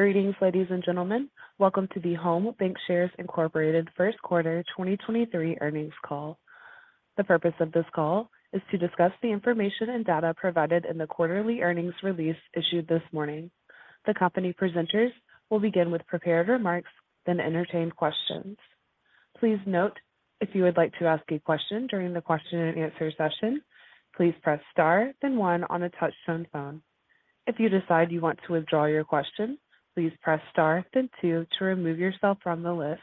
Greetings, ladies and gentlemen. Welcome to the Home BancShares Incorporated First Quarter 2023 Earnings Call. The purpose of this call is to discuss the information and data provided in the quarterly earnings release issued this morning. The company presenters will begin with prepared remarks, then entertain questions. Please note if you would like to ask a question during the question and answer session, please press star then one on a Touch-Tone phone. If you decide you want to withdraw your question, please press star then two to remove yourself from the list.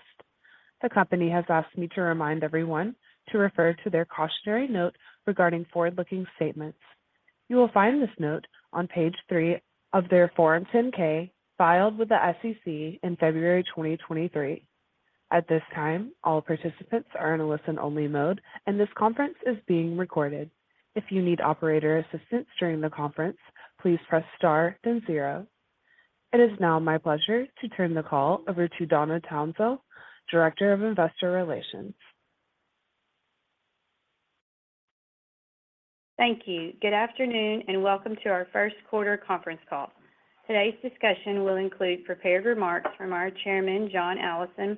The company has asked me to remind everyone to refer to their cautionary note regarding forward-looking statements. You will find this note on page three of their Form 10-K filed with the SEC in February 2023. At this time, all participants are in a listen-only mode, and this conference is being recorded. If you need operator assistance during the conference, please press star then zero. It is now my pleasure to turn the call over to Donna Townsell, Director of Investor Relations. Thank you. Good afternoon, welcome to our first quarter conference call. Today's discussion will include prepared remarks from our Chairman, John Allison,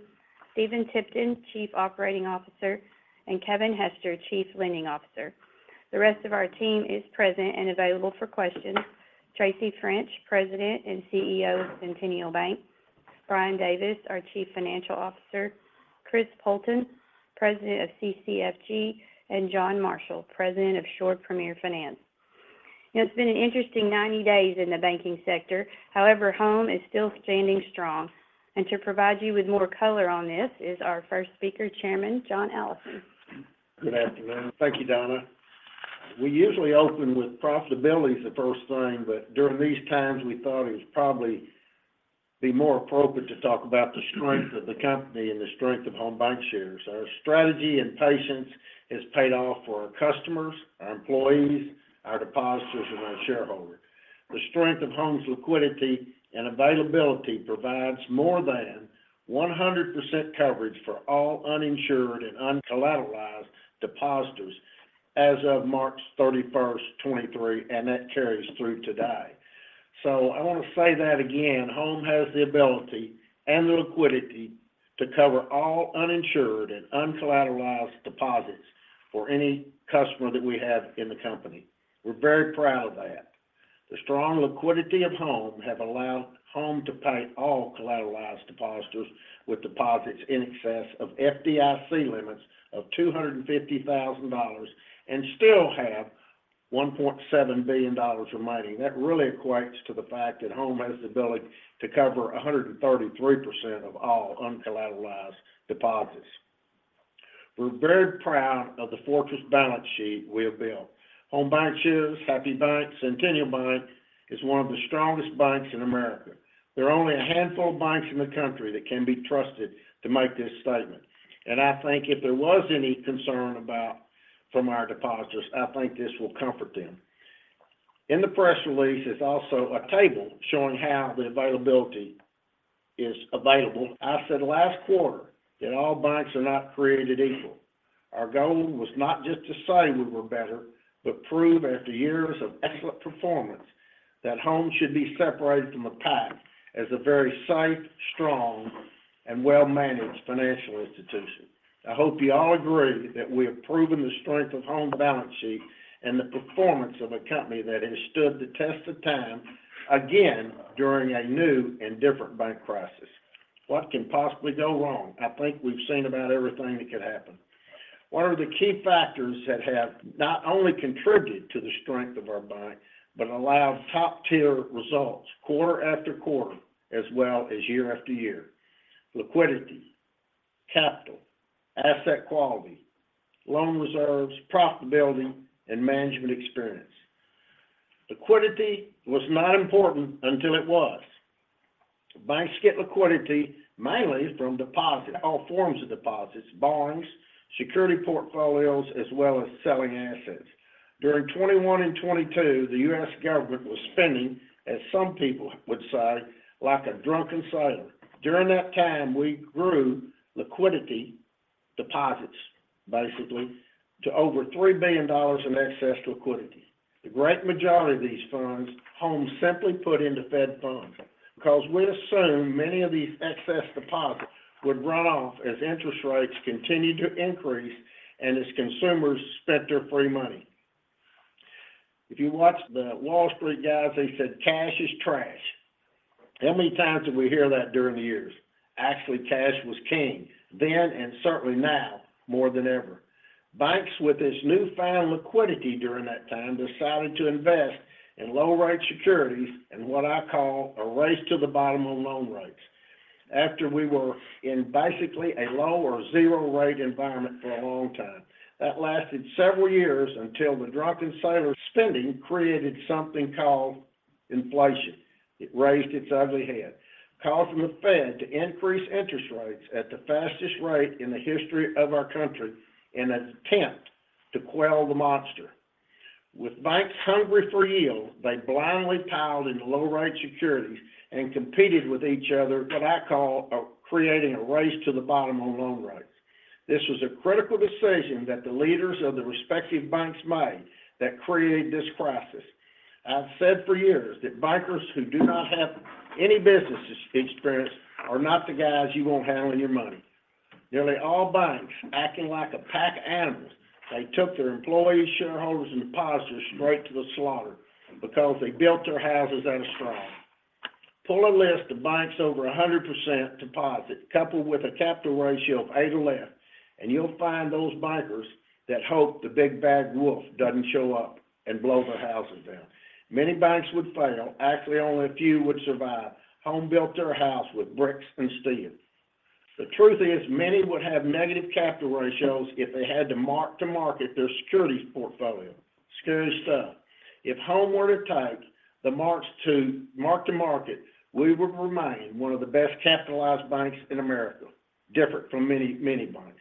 Stephen Tipton, Chief Operating Officer, and Kevin Hester, Chief Lending Officer. The rest of our team is present and available for questions. Tracy French, President and CEO of Centennial Bank, Brian Davis, our Chief Financial Officer, Chris Poulton, President of CCFG, and John Marshall, President of Shore Premier Finance. It's been an interesting 90 days in the banking sector. However, Home is still standing strong. To provide you with more color on this is our first speaker, Chairman John Allison. Good afternoon. Thank you, Donna. We usually open with profitability is the first thing, but during these times, we thought it was probably be more appropriate to talk about the strength of the company and the strength of Home BancShares. Our strategy and patience has paid off for our customers, our employees, our depositors, and our shareholders. The strength of Home's liquidity and availability provides more than 100% coverage for all uninsured and uncollateralized depositors as of March 31st, 2023, and that carries through today. I want to say that again, Home has the ability and the liquidity to cover all uninsured and uncollateralized deposits for any customer that we have in the company. We're very proud of that. The strong liquidity of Home have allowed Home to pay all collateralized depositors with deposits in excess of FDIC limits of $250,000 and still have $1.7 billion remaining. That really equates to the fact that Home has the ability to cover 133% of all uncollateralized deposits. We're very proud of the fortress balance sheet we have built. Home BancShares, Happy State Bank, Centennial Bank is one of the strongest banks in America. There are only a handful of banks in the country that can be trusted to make this statement. I think if there was any concern from our depositors, I think this will comfort them. In the press release, there's also a table showing how the availability is available. I said last quarter that all banks are not created equal. Our goal was not just to say we were better, but prove after years of excellent performance that Home should be separated from the pack as a very safe, strong, and well-managed financial institution. I hope you all agree that we have proven the strength of Home's balance sheet and the performance of a company that has stood the test of time again during a new and different bank crisis. What can possibly go wrong? I think we've seen about everything that could happen. What are the key factors that have not only contributed to the strength of our bank, but allowed top-tier results quarter-after-quarter, as well as year-after-year? Liquidity, capital, asset quality, loan reserves, profitability, and management experience. Liquidity was not important until it was. Banks get liquidity mainly from deposit, all forms of deposits, borrowings, security portfolios, as well as selling assets. During 2021 and 2022, the U.S. government was spending, as some people would say, like a drunken sailor. During that time, we grew liquidity deposits, basically, to over $3 billion in excess liquidity. The great majority of these funds, Home simply put into Fed funds because we assumed many of these excess deposits would run off as interest rates continued to increase and as consumers spent their free money. If you watch the Wall Street guys, they said, "Cash is trash." How many times did we hear that during the years? Actually, cash was king then and certainly now more than ever. Banks with this newfound liquidity during that time decided to invest in low rate securities in what I call a race to the bottom on loan rates after we were in basically a low or zero rate environment for a long time. That lasted several years until the drunken sailor spending created something called inflation. It raised its ugly head, causing the Fed to increase interest rates at the fastest rate in the history of our country in an attempt to quell the monster. With banks hungry for yield, they blindly piled into low rate securities and competed with each other, what I call creating a race to the bottom on loan rates. This was a critical decision that the leaders of the respective banks made that created this crisis. I've said for years that bankers who do not have any business experience are not the guys you want handling your money. Nearly all banks, acting like a pack animal, they took their employees, shareholders, and depositors straight to the slaughter because they built their houses on a straw. Pull a list of banks over 100% deposit, coupled with a capital ratio of eight or less, and you'll find those bankers that hope the big bad wolf doesn't show up and blow their houses down. Many banks would fail. Actually, only a few would survive. Home built their house with bricks and steel. The truth is many would have negative capital ratios if they had to mark to market their securities portfolio. Scary stuff. If Home were to take the marks to mark to market, we would remain one of the best capitalized banks in America, different from many, many banks.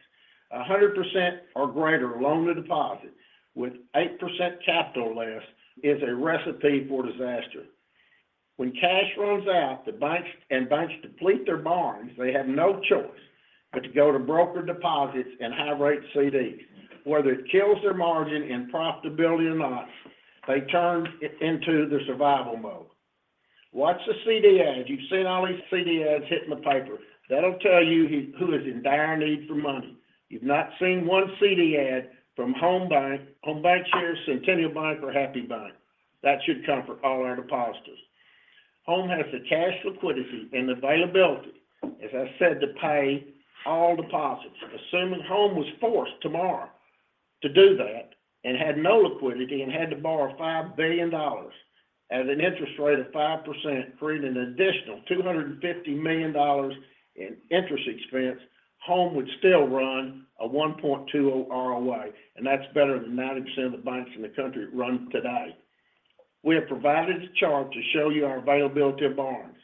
100% or greater loan-to-deposit with 8% capital or less is a recipe for disaster. When cash runs out, and banks deplete their barns, they have no choice but to go to broker deposits and high rate CDs. Whether it kills their margin and profitability or not, they turn into the survival mode. Watch the CD ads. You've seen all these CD ads hit in the paper. That'll tell you who is in dire need for money. You've not seen one CD ad from Home Banc, Home BancShares, Centennial Bank, or Happy Bank. That should comfort all our depositors. Home has the cash liquidity and availability, as I said, to pay all deposits. Assuming Home was forced tomorrow to do that and had no liquidity and had to borrow $5 billion at an interest rate of 5%, creating an additional $250 million in interest expense, Home would still run a 1.2 ROA, and that's better than 90% of the banks in the country run today. We have provided this chart to show you our availability of barns.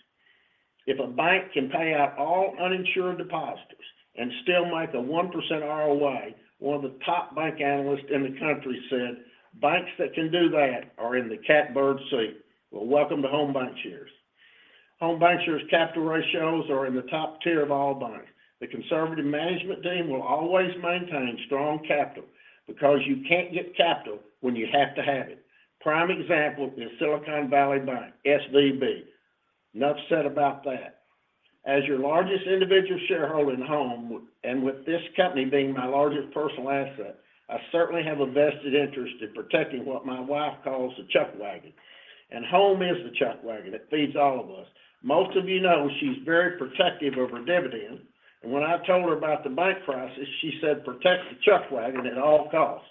If a bank can pay out all uninsured depositors and still make a 1% ROA, one of the top bank analysts in the country said, "Banks that can do that are in the catbird seat." Welcome to Home BancShares. Home BancShares capital ratios are in the top tier of all banks. The conservative management team will always maintain strong capital because you can't get capital when you have to have it. Prime example is Silicon Valley Bank, SVB. Enough said about that. As your largest individual shareholder in Home BancShares, with this company being my largest personal asset, I certainly have a vested interest in protecting what my wife calls the chuck wagon, and Home BancShares is the chuck wagon. It feeds all of us. Most of you know she's very protective of her dividend, when I told her about the bank crisis, she said, "Protect the chuck wagon at all costs."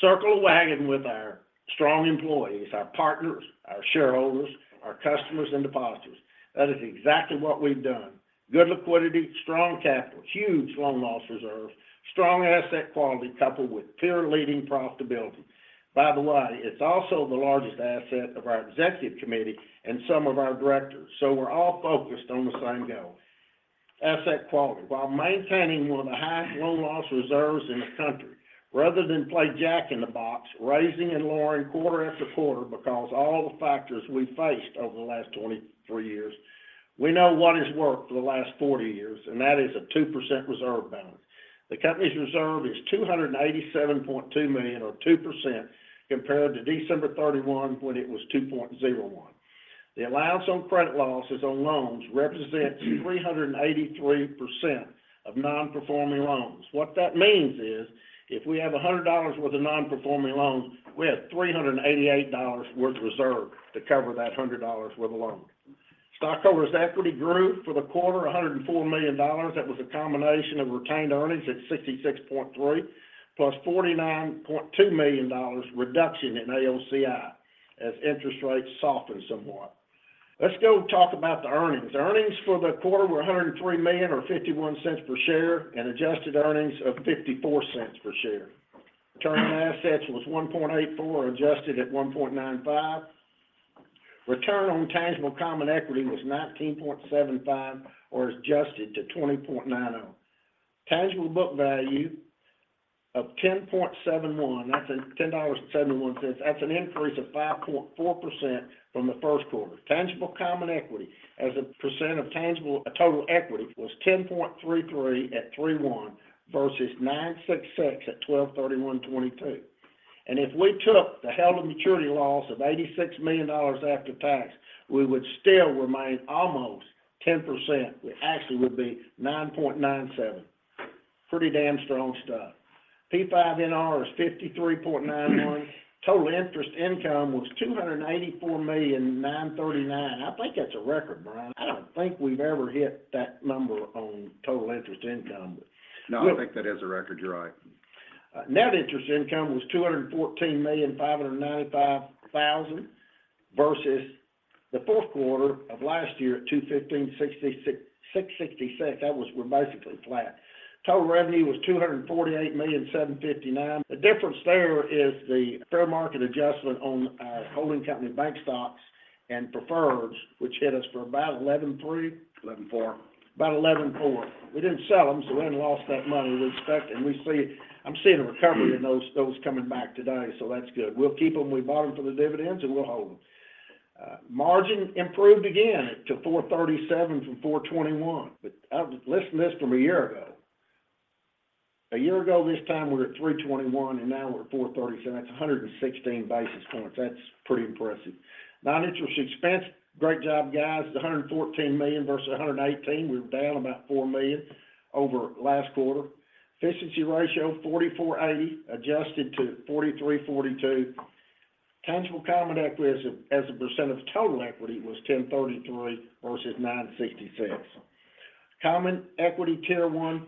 Circle the wagon with our strong employees, our partners, our shareholders, our customers, and depositors. That is exactly what we've done. Good liquidity, strong capital, huge loan loss reserves, strong asset quality coupled with peer-leading profitability. By the way, it's also the largest asset of our executive committee and some of our directors, we're all focused on the same goal. Asset quality, while maintaining one of the highest loan loss reserves in the country, rather than play jack-in-the-box, raising and lowering quarter after quarter because all the factors we faced over the last 23 years, we know what has worked for the last 40 years, and that is a 2% reserve balance. The company's reserve is $287.2 million, or 2%, compared to December 31, when it was 2.01%. The allowance for credit losses on loans represents 383% of non-performing loans. What that means is if we have $100 worth of non-performing loans, we have $388 worth of reserve to cover that $100 worth of loans. Stockholders' equity grew for the quarter $104 million. That was a combination of retained earnings at $66.3, plus $49.2 million reduction in AOCI as interest rates softened somewhat. Let's go talk about the earnings. Earnings for the quarter were $103 million, or $0.51 per share, and adjusted earnings of $0.54 per share. Return on assets was 1.84%, adjusted at 1.95%. Return on tangible common equity was 19.75%, or adjusted to 20.90%. Tangible book value of $10.71. That's $10.71. That's an increase of 5.4% from the first quarter. Tangible common equity as a percent of tangible total equity was 10.33% at 3/31 versus 9.66% at 12/31/2022. If we took the held maturity loss of $86 million after tax, we would still remain almost 10%. We actually would be 9.97%. Pretty damn strong stuff. PPNR is 53.91. Total interest income was $284,939,000. I think that's a record, Brian. I don't think we've ever hit that number on total interest income. No, I think that is a record. You're right. Net interest income was $214,595,000 versus the fourth quarter of last year at $215,666,000. We're basically flat. Total revenue was $248,759,000. The difference there is the fair market adjustment on holding company bank stocks and preferreds, which hit us for about $11.3 million? 11.4. About $11.4 million. We didn't sell them, so we didn't lose that money as expected, and I'm seeing a recovery in those coming back today, so that's good. We'll keep them. We bought them for the dividends, and we'll hold them. Margin improved again to 4.37 from 4.21. I've listen this from a year ago. A year ago this time we were at 3.21, and now we're at 4.37. That's 116 basis points. That's pretty impressive. Non-interest expense, great job, guys. $114 million versus $118 million. We're down about $4 million over last quarter. Efficiency Ratio 44.80%, adjusted to 43.42%. Tangible Common Equity as a percent of total equity was 10.33% versus 9.66%. Common equity tier 1.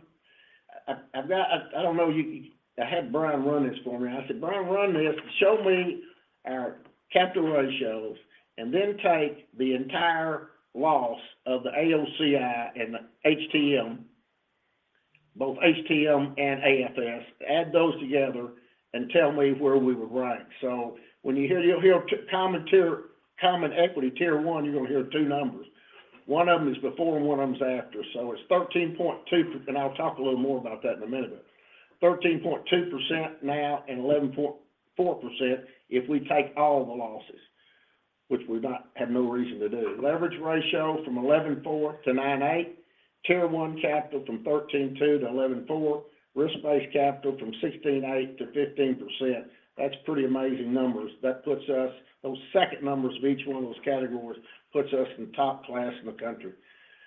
I've got I don't know you, I had Brian run this for me. I said, "Brian, run this and show me our capital ratios, and then take the entire loss of the AOCI and the HTM, both HTM and AFS, add those together, and tell me where we would rank." When you hear you'll hear common equity tier 1, you're gonna hear two numbers. One of them is before, and one of them is after. It's 13.2% now and 11.4% if we take all the losses, which we have no reason to do. Leverage ratio from 11.4% to 9.8%. Tier 1 capital from 13.2% to 11.4%. Risk-based capital from 16.8% to 15%. That's pretty amazing numbers. That puts us. Those second numbers of each one of those categories puts us in top class in the country.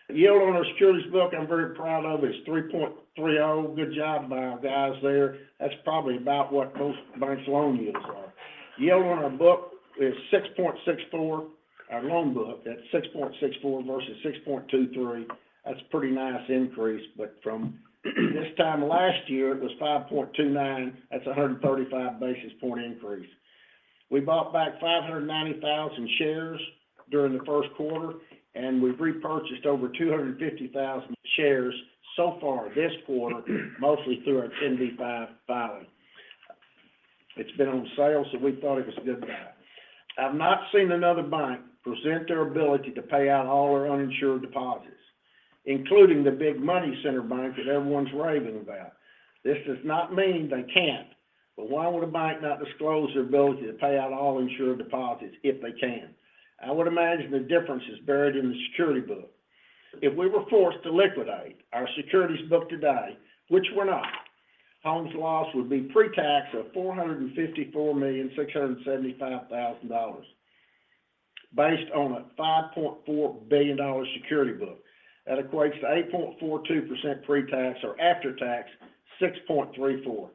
The yield on our securities book, I'm very proud of, is 3.30. Good job by our guys there. That's probably about what most banks' loan yields are. Yield on our book is 6.64. Our loan book, that's 6.64 versus 6.23. That's a pretty nice increase. From this time last year, it was 5.29. That's a 135 basis point increase. We bought back 590,000 shares during the first quarter, and we've repurchased over 250,000 shares so far this quarter, mostly through our 10b5-1 filing. It's been on sale, we thought it was a good buy. I've not seen another bank present their ability to pay out all their uninsured deposits, including the big money center bank that everyone's raving about. This does not mean they can't. Why would a bank not disclose their ability to pay out all insured deposits if they can? I would imagine the difference is buried in the security book. If we were forced to liquidate our securities book today, which we're not, Home's loss would be pre-tax of $454,675,000 based on a $5.4 billion security book. That equates to 8.42% pre-tax or after-tax, 6.34%.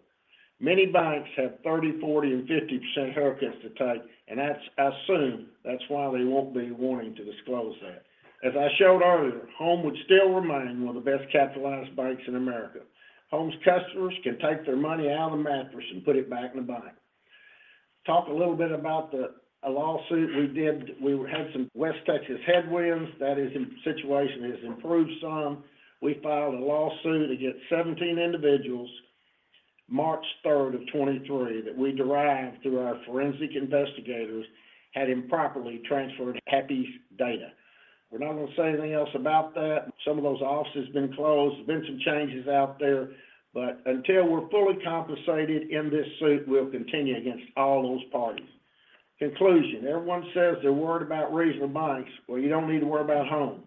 Many banks have 30%, 40%, and 50% haircuts to take, I assume that's why they won't be wanting to disclose that. As I showed earlier, Home would still remain one of the best capitalized banks in America. Home's customers can take their money out of the mattress and put it back in the bank. Talk a little bit about a lawsuit we did. We had some West Texas headwinds. That situation has improved some. We filed a lawsuit against 17 individuals March 3rd, 2023 that we derived through our forensic investigators had improperly transferred Happy's data. We're not gonna say anything else about that. Some of those offices have been closed. There's been some changes out there. Until we're fully compensated in this suit, we'll continue against all those parties. Conclusion. Everyone says they're worried about regional banks. You don't need to worry about Home.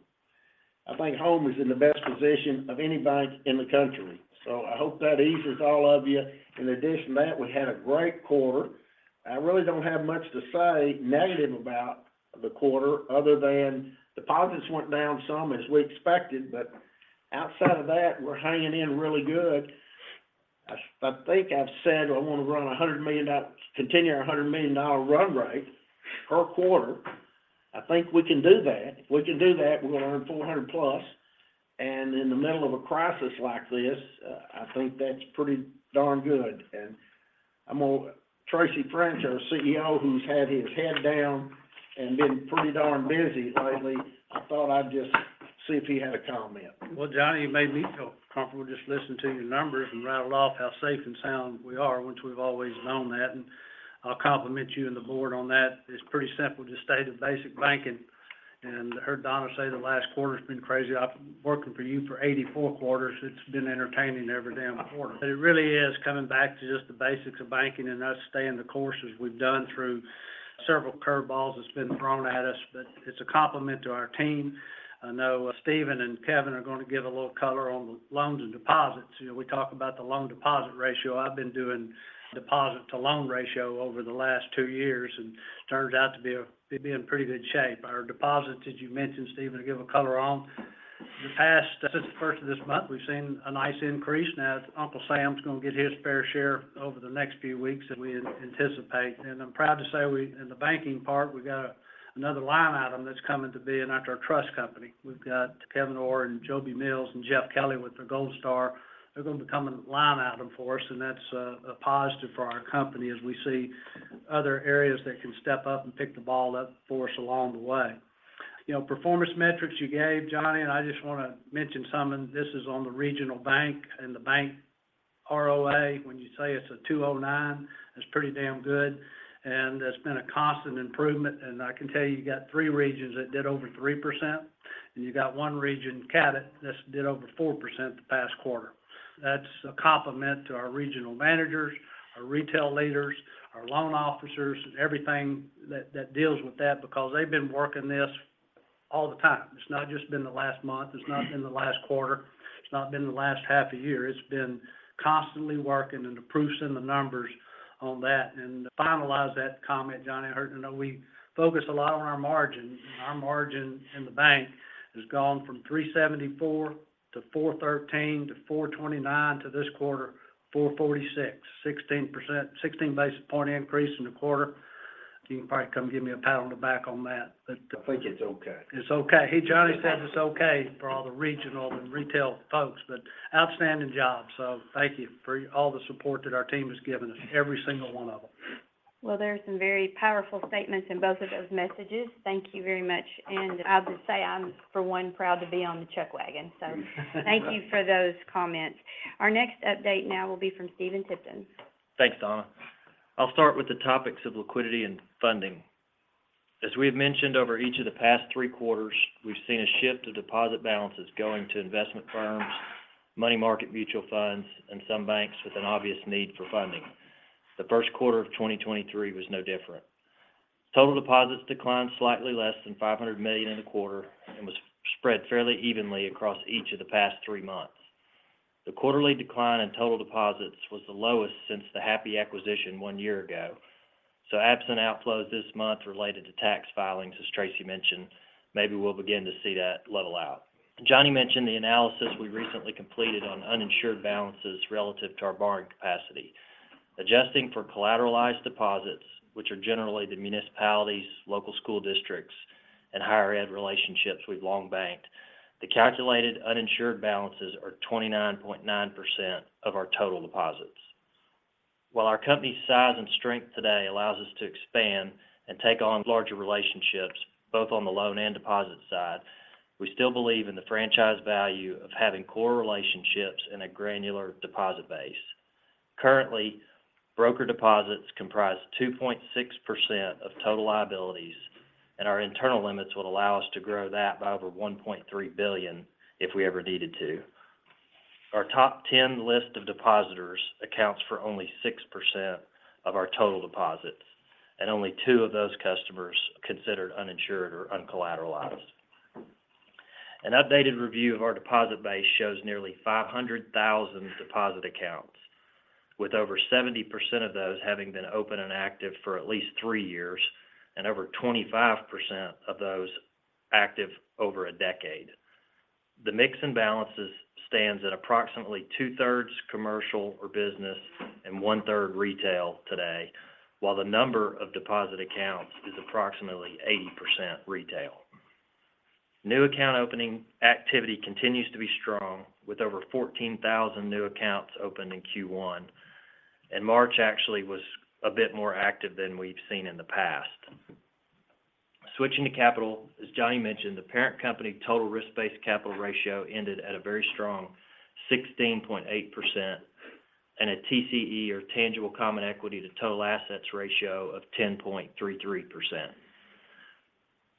I think Home is in the best position of any bank in the country. I hope that eases all of you. In addition to that, we had a great quarter. I really don't have much to say negative about the quarter other than deposits went down some, as we expected. Outside of that, we're hanging in really good. I think I've said I want to continue our $100 million run rate per quarter. I think we can do that. If we can do that, we're gonna earn $400 plus. In the middle of a crisis like this, I think that's pretty darn good. Tracy French, our CEO, who's had his head down and been pretty darn busy lately, I thought I'd just see if he had a comment. Johnny, you made me feel comfortable just listening to your numbers and rattled off how safe and sound we are, which we've always known that. I'll compliment you and the board on that. It's pretty simple, just stay to basic banking. I heard Donna say the last quarter's been crazy. I've been working for you for 84 quarters. It's been entertaining every damn quarter. It really is coming back to just the basics of banking and us staying the course as we've done through several curve balls that's been thrown at us. It's a compliment to our team. I know Stephen and Kevin are going to give a little color on the loans and deposits. You know, we talk about the loan deposit ratio. I've been doing deposit to loan ratio over the last two years, and it turns out to be a-- we're in pretty good shape. Our deposits, as you mentioned, Stephen, to give a color on, the past. Since the first of this month, we've seen a nice increase. Uncle Sam's gonna get his fair share over the next few weeks, and we anticipate. I'm proud to say we, in the banking part, we got another line item that's coming to be in after our trust company. We've got Kevin Orr and Joby Mills and Jeff Kelly with their Gold Star. They're going to become a line item for us. That's a positive for our company as we see other areas that can step up and pick the ball up for us along the way. You know, performance metrics you gave, Johnny, I just wanna mention something. This is on the regional bank and the bank ROA. When you say it's a 2.09%, that's pretty damn good, and it's been a constant improvement. I can tell you got three regions that did over 3%. You got one region, Caddo, that's did over 4% the past quarter. That's a compliment to our regional managers, our retail leaders, our loan officers, and everything that deals with that because they've been working this all the time. It's not just been the last month, it's not been the last quarter, it's not been the last half a year. It's been constantly working and the proof's in the numbers on that. To finalize that comment, Johnny, I heard, you know we focus a lot on our margin. Our margin in the bank has gone from 3.74 to 4.13 to 4.29 to this quarter, 4.46. 16 basis point increase in the quarter. You can probably come give me a pat on the back on that. I think it's okay. It's okay. Johnny says it's okay for all the regional and retail folks, but outstanding job, so thank you for all the support that our team has given us, every single one of them. There are some very powerful statements in both of those messages. Thank you very much, and I'll just say I'm, for one, proud to be on the Chuck Wagon. Thank you for those comments. Our next update now will be from Stephen Tipton. Thanks, Donna. I'll start with the topics of liquidity and funding. As we have mentioned over each of the past three quarters, we've seen a shift of deposit balances going to investment firms, money market mutual funds, and some banks with an obvious need for funding. The first quarter of 2023 was no different. Total deposits declined slightly less than $500 million in the quarter and was spread fairly evenly across each of the past three months. The quarterly decline in total deposits was the lowest since the Happy acquisition one year ago. Absent outflows this month related to tax filings, as Tracy mentioned, maybe we'll begin to see that level out. Johnny mentioned the analysis we recently completed on uninsured balances relative to our borrowing capacity. Adjusting for collateralized deposits, which are generally the municipalities, local school districts, and higher ed relationships we've long banked, the calculated uninsured balances are 29.9% of our total deposits. While our company's size and strength today allows us to expand and take on larger relationships, both on the loan and deposit side, we still believe in the franchise value of having core relationships and a granular deposit base. Currently, broker deposits comprise 2.6% of total liabilities, and our internal limits would allow us to grow that by over $1.3 billion if we ever needed to. Our top 10 list of depositors accounts for only 6% of our total deposits, and only two of those customers are considered uninsured or uncollateralized. An updated review of our deposit base shows nearly 500,000 deposit accounts, with over 70% of those having been open and active for at least three years, and over 25% of those active over a decade. The mix and balances stands at approximately 2/3 commercial or business and 1/3 retail today, while the number of deposit accounts is approximately 80% retail. New account opening activity continues to be strong with over 14,000 new accounts opened in Q1, and March actually was a bit more active than we've seen in the past. Switching to capital, as John mentioned, the parent company total Risk-Based Capital ratio ended at a very strong 16.8% and a TCE or tangible common equity to total assets ratio of 10.33%.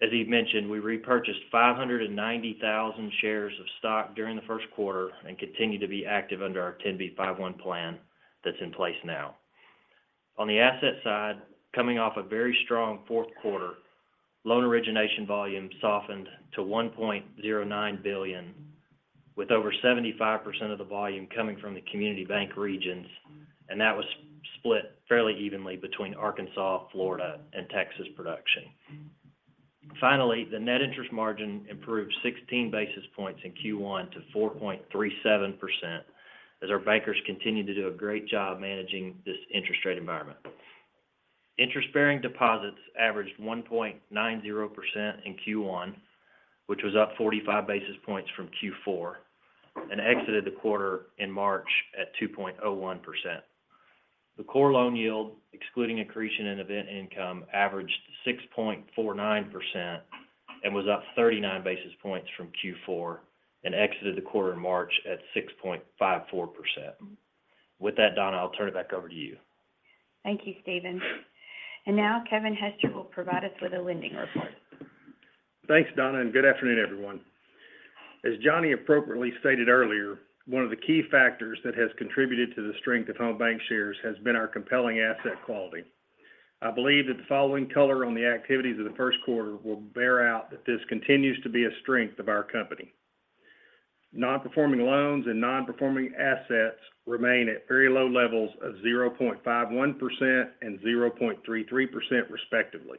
As he mentioned, we repurchased 590,000 shares of stock during the first quarter and continue to be active under our 10b5-1 plan that's in place now. On the asset side, coming off a very strong fourth quarter, loan origination volume softened to $1.09 billion, with over 75% of the volume coming from the community bank regions, and that was split fairly evenly between Arkansas, Florida, and Texas production. Finally, the net interest margin improved 16 basis points in Q1 to 4.37% as our bankers continue to do a great job managing this interest rate environment. Interest-bearing deposits averaged 1.90% in Q1, which was up 45 basis points from Q4, and exited the quarter in March at 2.01%. The core loan yield, excluding accretion and event income, averaged 6.49% and was up 39 basis points from Q4 and exited the quarter in March at 6.54%. With that, Donna, I'll turn it back over to you. Thank you, Stephen. Now Kevin Hester will provide us with a lending report. Thanks, Donna. Good afternoon, everyone. As Johnny appropriately stated earlier, one of the key factors that has contributed to the strength of Home BancShares has been our compelling asset quality. I believe that the following color on the activities of the first quarter will bear out that this continues to be a strength of our company. Non-performing loans and non-performing assets remain at very low levels of 0.51% and 0.33% respectively.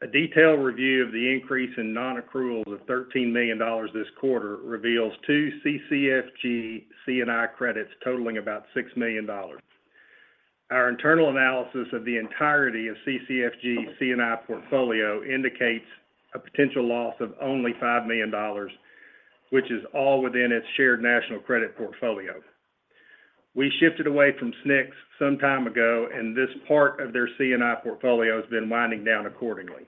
A detailed review of the increase in non-accruals of $13 million this quarter reveals two CCFG C&I credits totaling about $6 million. Our internal analysis of the entirety of CCFG C&I portfolio indicates a potential loss of only $5 million, which is all within its Shared National Credit portfolio. We shifted away from SNCs some time ago. This part of their C&I portfolio has been winding down accordingly.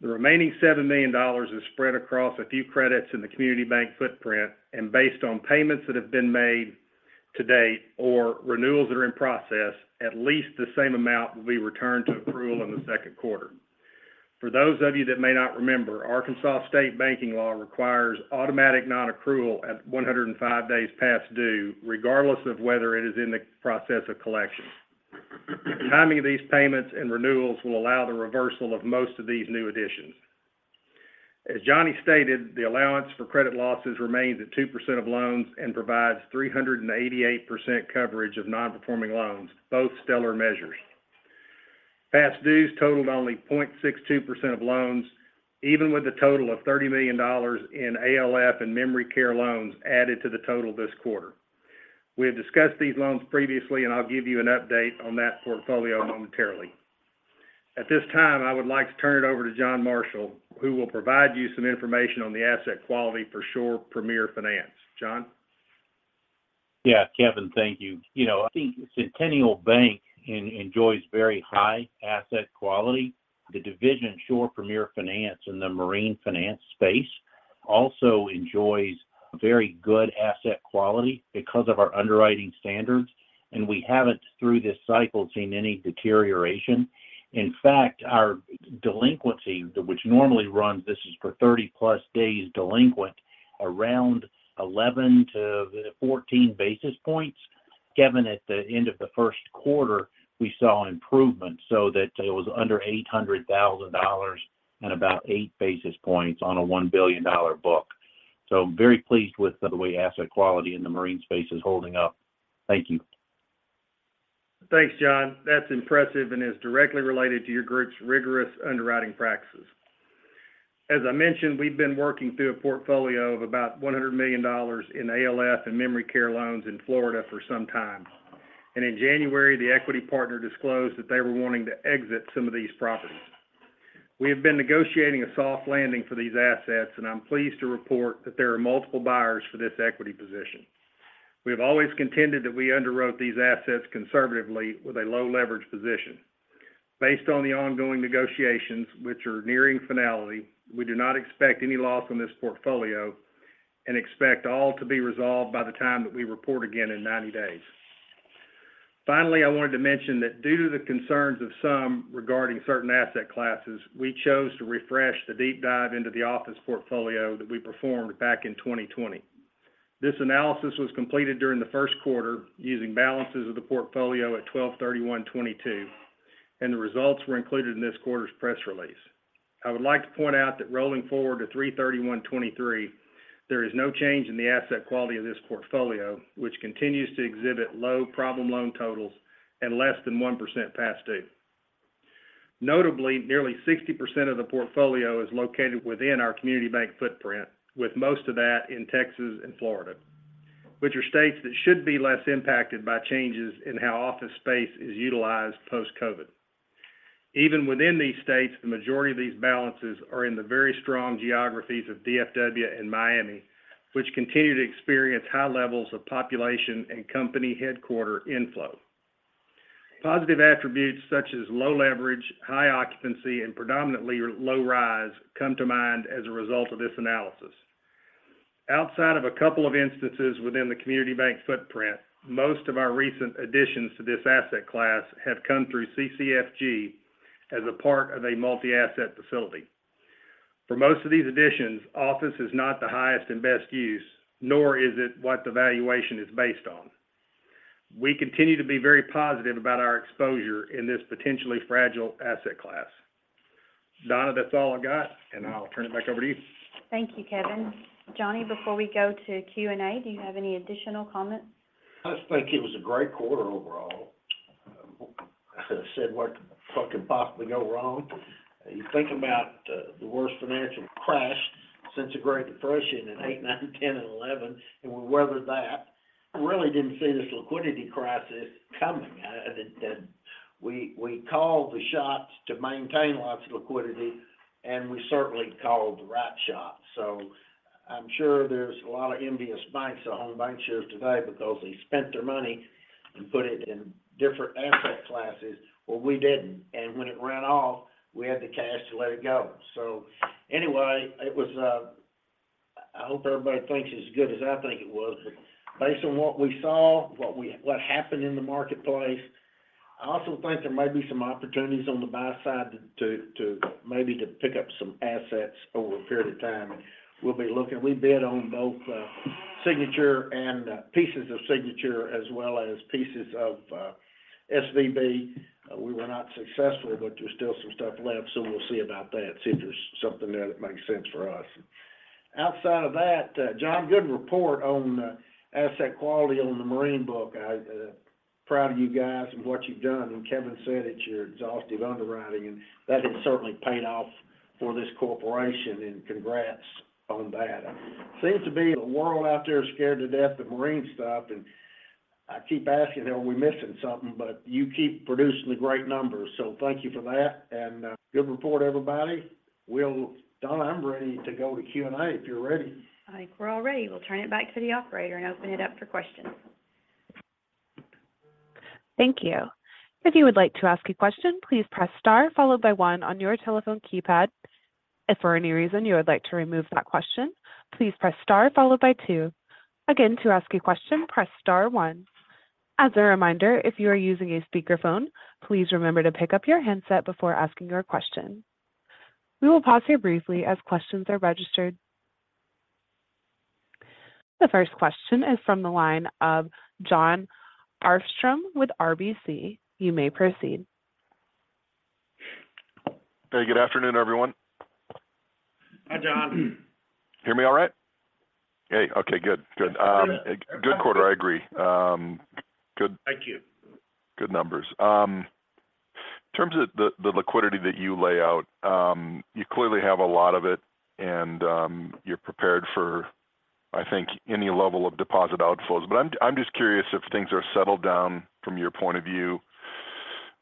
The remaining $7 million is spread across a few credits in the community bank footprint. Based on payments that have been made to date or renewals that are in process, at least the same amount will be returned to accrual in the second quarter. For those of you that may not remember, Arkansas state banking law requires automatic non-accrual at 105 days past due, regardless of whether it is in the process of collection. The timing of these payments and renewals will allow the reversal of most of these new additions. As Johnny stated, the allowance for credit losses remains at 2% of loans and provides 388% coverage of non-performing loans, both stellar measures. Past dues totaled only 0.62% of loans, even with a total of $30 million in ALF and memory care loans added to the total this quarter. We have discussed these loans previously, I'll give you an update on that portfolio momentarily. At this time, I would like to turn it over to John Marshall, who will provide you some information on the asset quality for Shore Premier Finance. John? Yeah. Kevin, thank you. You know, I think Centennial Bank enjoys very high asset quality. The division Shore Premier Finance in the marine finance space also enjoys very good asset quality because of our underwriting standards. We haven't, through this cycle, seen any deterioration. In fact, our delinquency, which normally runs, this is for 30-plus days delinquent, around 11 to 14 basis points. Kevin, at the end of the first quarter, we saw improvement so that it was under $800,000 and about 8 basis points on a $1 billion book. I'm very pleased with the way asset quality in the marine space is holding up. Thank you. Thanks, John. That's impressive and is directly related to your group's rigorous underwriting practices. As I mentioned, we've been working through a portfolio of about $100 million in ALF and memory care loans in Florida for some time. In January, the equity partner disclosed that they were wanting to exit some of these properties. We have been negotiating a soft landing for these assets. I'm pleased to report that there are multiple buyers for this equity position. We have always contended that we underwrote these assets conservatively with a low leverage position. Based on the ongoing negotiations, which are nearing finality, we do not expect any loss on this portfolio. We expect all to be resolved by the time that we report again in 90 days. I wanted to mention that due to the concerns of some regarding certain asset classes, we chose to refresh the deep dive into the office portfolio that we performed back in 2020. This analysis was completed during the first quarter using balances of the portfolio at 12/31/2022, and the results were included in this quarter's press release. I would like to point out that rolling forward to 3/31/2023, there is no change in the asset quality of this portfolio, which continues to exhibit low problem loan totals and less than 1% past due. Notably, nearly 60% of the portfolio is located within our community bank footprint, with most of that in Texas and Florida, which are states that should be less impacted by changes in how office space is utilized post-COVID. Even within these states, the majority of these balances are in the very strong geographies of DFW and Miami, which continue to experience high levels of population and company headquarter inflow. Positive attributes such as low leverage, high occupancy, and predominantly low rise come to mind as a result of this analysis. Outside of a couple of instances within the community bank footprint, most of our recent additions to this asset class have come through CCFG as a part of a multi-asset facility. For most of these additions, office is not the highest and best use, nor is it what the valuation is based on. We continue to be very positive about our exposure in this potentially fragile asset class. Donna, that's all I've got, and I'll turn it back over to you. Thank you, Kevin. Johnny, before we go to Q&A, do you have any additional comments? I just think it was a great quarter overall. I said, what the fuck could possibly go wrong? You think about the worst financial crash since the Great Depression in 2008, 2009, 2010 and 2011. We weathered that. Really didn't see this liquidity crisis coming. We called the shots to maintain lots of liquidity, and we certainly called the right shots. I'm sure there's a lot of envious banks on Home BancShares today because they spent their money and put it in different asset classes, well we didn't. When it ran off, we had the cash to let it go. Anyway, it was, I hope everybody thinks as good as I think it was, but based on what we saw, what happened in the marketplace, I also think there may be some opportunities on the buy side to maybe to pick up some assets over a period of time. We'll be looking. We bid on both Signature and pieces of Signature as well as pieces of SVB. We were not successful. There's still some stuff left, we'll see about that, see if there's something there that makes sense for us. Outside of that, John, good report on asset quality on the marine book. I, proud of you guys and what you've done. Kevin said it's your exhaustive underwriting, that has certainly paid off for this corporation, congrats on that. Seems to be the world out there is scared to death of marine stuff. I keep asking, are we missing something? You keep producing the great numbers. Thank you for that and good report, everybody. Donna, I'm ready to go to Q&A if you're ready. I think we're all ready. We'll turn it back to the operator and open it up for questions. Thank you. If you would like to ask a question, please press star followed by one on your telephone keypad. If for any reason you would like to remove that question, please press star followed by two. Again, to ask a question, press star one. As a reminder, if you are using a speakerphone, please remember to pick up your handset before asking your question. We will pause here briefly as questions are registered. The first question is from the line of Jon Arfstrom with RBC. You may proceed. Hey, good afternoon, everyone. Hi, Jon. Hear me all right? Hey. Okay, good. Good. Good quarter. I agree. Thank you. Good numbers. In terms of the liquidity that you lay out, you clearly have a lot of it and you're prepared for, I think, any level of deposit outflows. I'm just curious if things are settled down from your point of view,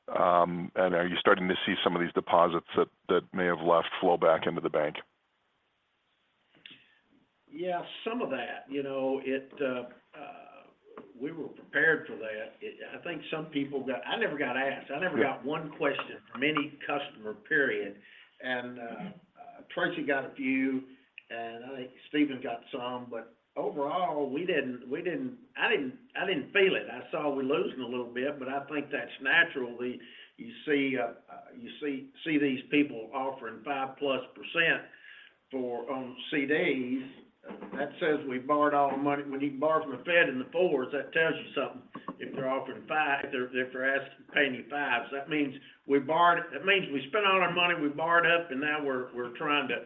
and are you starting to see some of these deposits that may have left flow back into the bank? Yeah, some of that. You know, it... We were prepared for that. I think some people got, I never got asked. I never got one question from any customer, period. Tracy got a few, and I think Stephen got some, but overall, we didn't, I didn't feel it. I saw we're losing a little bit, but I think that's natural. You see these people offering 5+% for, on CDs. That says we borrowed all the money. When you can borrow from The Fed and the fours, that tells you something. If they're offering five, they're asking to pay me five. That means we borrowed... It means we spent all our money, we borrowed up, and now we're trying to...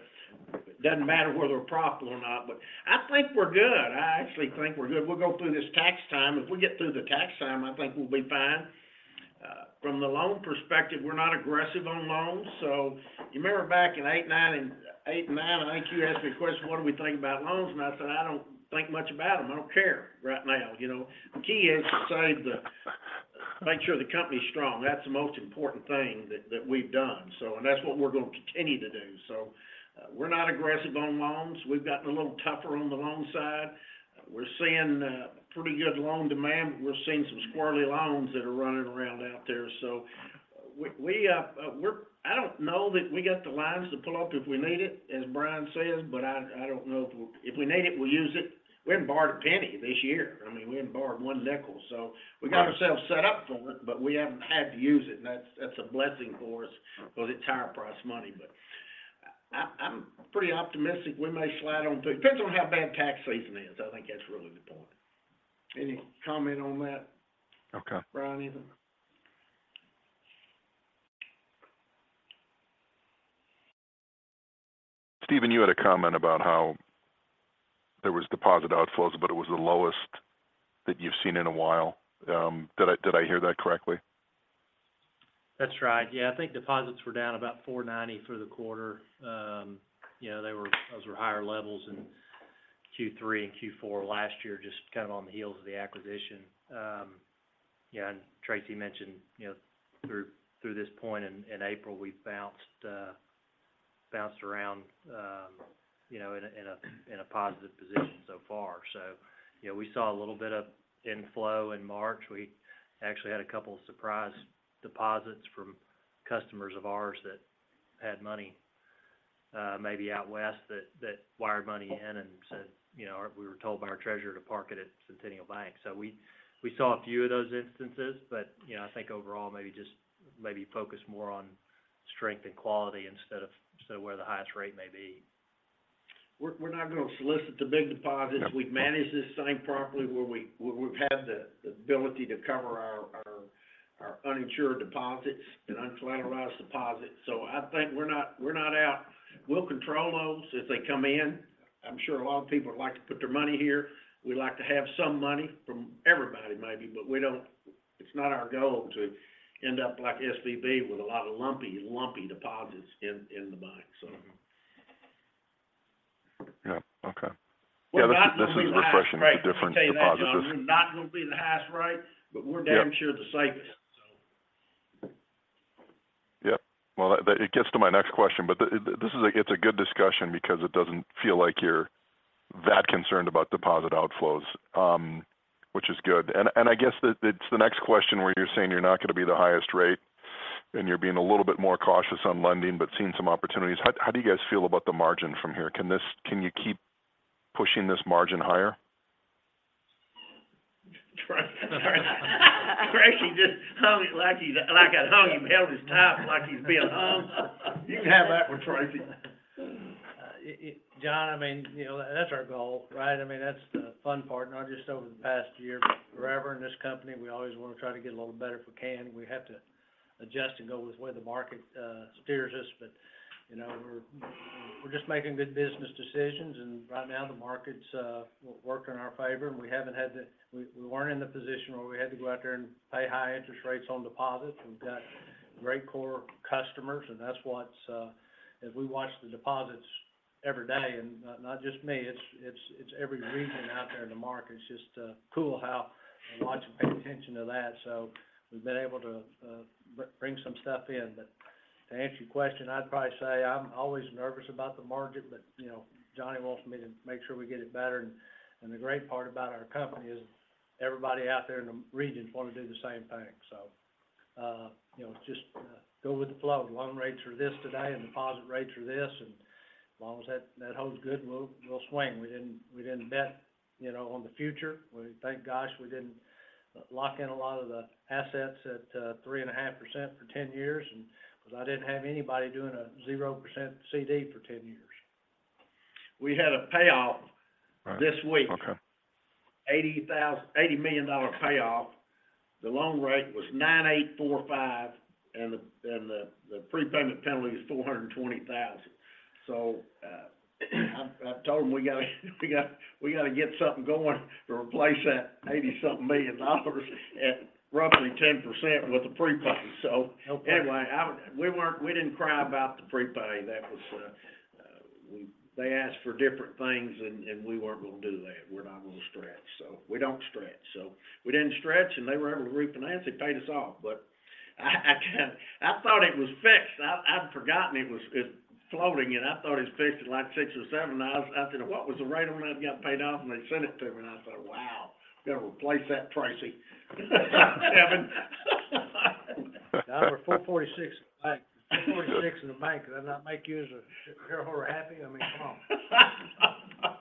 It doesn't matter whether we're profitable or not, but I think we're good. I actually think we're good. We'll go through this tax time. If we get through the tax time, I think we'll be fine. From the loan perspective, we're not aggressive on loans. You remember back in 2008, 2009 and 2008 and 2009, I think you asked me a question, what do we think about loans? I said, "I don't think much about them. I don't care right now." You know, the key is to save the make sure the company's strong. That's the most important thing that we've done. And that's what we're gonna continue to do. We're not aggressive on loans. We've gotten a little tougher on the loan side. We're seeing pretty good loan demand. We're seeing some squirrely loans that are running around out there. We don't know that we got the lines to pull up if we need it, as Brian says, but I don't know if we'll If we need it, we'll use it. We haven't borrowed a penny this year. I mean, we haven't borrowed one nickel. We got ourselves set up for it, but we haven't had to use it, and that's a blessing for us, because it's high price money. I'm pretty optimistic we may slide on through. Depends on how bad tax season is. I think that's really the point. Any comment on that? Okay. Brian, anything? Stephen, you had a comment about how there was deposit outflows, but it was the lowest that you've seen in a while. Did I hear that correctly? That's right. I think deposits were down about $490 through the quarter. You know, those were higher levels in Q3 and Q4 last year, just kind of on the heels of the acquisition. And Tracy mentioned, you know, through this point in April, we've bounced around, you know, in a, in a, in a positive position so far. You know, we saw a little bit of inflow in March. We actually had a couple of surprise deposits from customers of ours that had money, maybe out west that wired money in and said, you know, "We were told by our treasurer to park it at Centennial Bank." We saw a few of those instances but, you know, I think overall maybe just focus more on strength and quality instead of where the highest rate may be. We're not gonna solicit the big deposits. No. We've managed this thing properly where we've had the ability to cover our uninsured deposits and uncollateralized deposits. I think we're not, we're not out. We'll control loans as they come in. I'm sure a lot of people would like to put their money here. We like to have some money from everybody, maybe, but we don't. It's not our goal to end up like SVB with a lot of lumpy deposits in the bank. Yeah. Okay. Yeah, this is refreshing, the different deposits. We're not gonna be the highest rate. Let me tell you that, John. We're not gonna be the highest rate, but we're damn sure the safest, so. Yep. Well, that it gets to my next question. This is a good discussion because it doesn't feel like you're that concerned about deposit outflows, which is good. I guess it's the next question where you're saying you're not gonna be the highest rate, and you're being a little bit more cautious on lending, but seeing some opportunities. How do you guys feel about the margin from here? Can you keep pushing this margin higher? Tracy. Tracy just hung it like I hung him, held his tie up like he's being hung. You can have that one, Tracy. It... Jon, I mean, you know, that's our goal, right? I mean, that's the fun part. Not just over the past year, but forever in this company, we always wanna try to get a little better if we can. We have to adjust and go with where the market steers us. You know, we're just making good business decisions, and right now the market's working in our favor. We haven't had we weren't in the position where we had to go out there and pay high interest rates on deposits. We've got great core customers, that's what's... If we watch the deposits every day, and not just me, it's every region out there in the market. It's just cool how we watch and pay attention to that. We've been able to bring some stuff in. To answer your question, I'd probably say I'm always nervous about the market, but, you know, Johnny wants me to make sure we get it better. The great part about our company is everybody out there in the regions wanna do the same thing. You know, just go with the flow. Loan rates are this today, and deposit rates are this, and as long as that holds good, we'll swing. We didn't bet, you know, on the future. We thank gosh we didn't lock in a lot of the assets at 3.5% for 10 years. 'Cause I didn't have anybody doing a 0% CD for 10 years. Right. this week. Okay. $80 million dollar payoff. The loan rate was 9.845%. The prepayment penalty is $420,000. I told them we gotta get something going to replace that $80 something million at roughly 10% with a prepay. Okay. Anyway, we didn't cry about the prepay. That was, they asked for different things, and we weren't gonna do that. We're not gonna stretch, so we don't stretch. We didn't stretch, and they were able to refinance. They paid us off. I can't. I thought it was fixed. I'd forgotten it was, it's floating, and I thought it was fixed at like six or seven. I said, "What was the rate on when I got paid off?" They sent it to me, and I said, "Wow, we gotta replace that pricing." Seven. Now for $446, $446 in the bank, does that not make you as a shareholder happy? I mean, come on.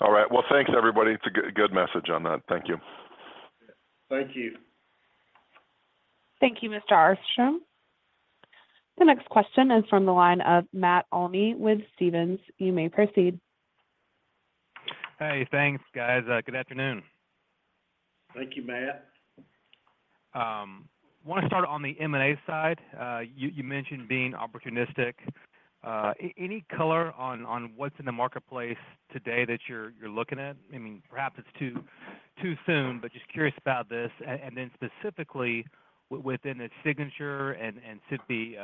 All right. Well, thanks everybody. It's a good message on that. Thank you. Thank you. Thank you, Mr. Arfstrom. The next question is from the line of Matt Olney with Stephens. You may proceed. Hey, thanks guys. Good afternoon. Thank you, Matt. Wanna start on the M&A side. You mentioned being opportunistic. Any color on what's in the marketplace today that you're looking at? I mean, perhaps it's too soon, but just curious about this. And then specifically within the Signature and SVB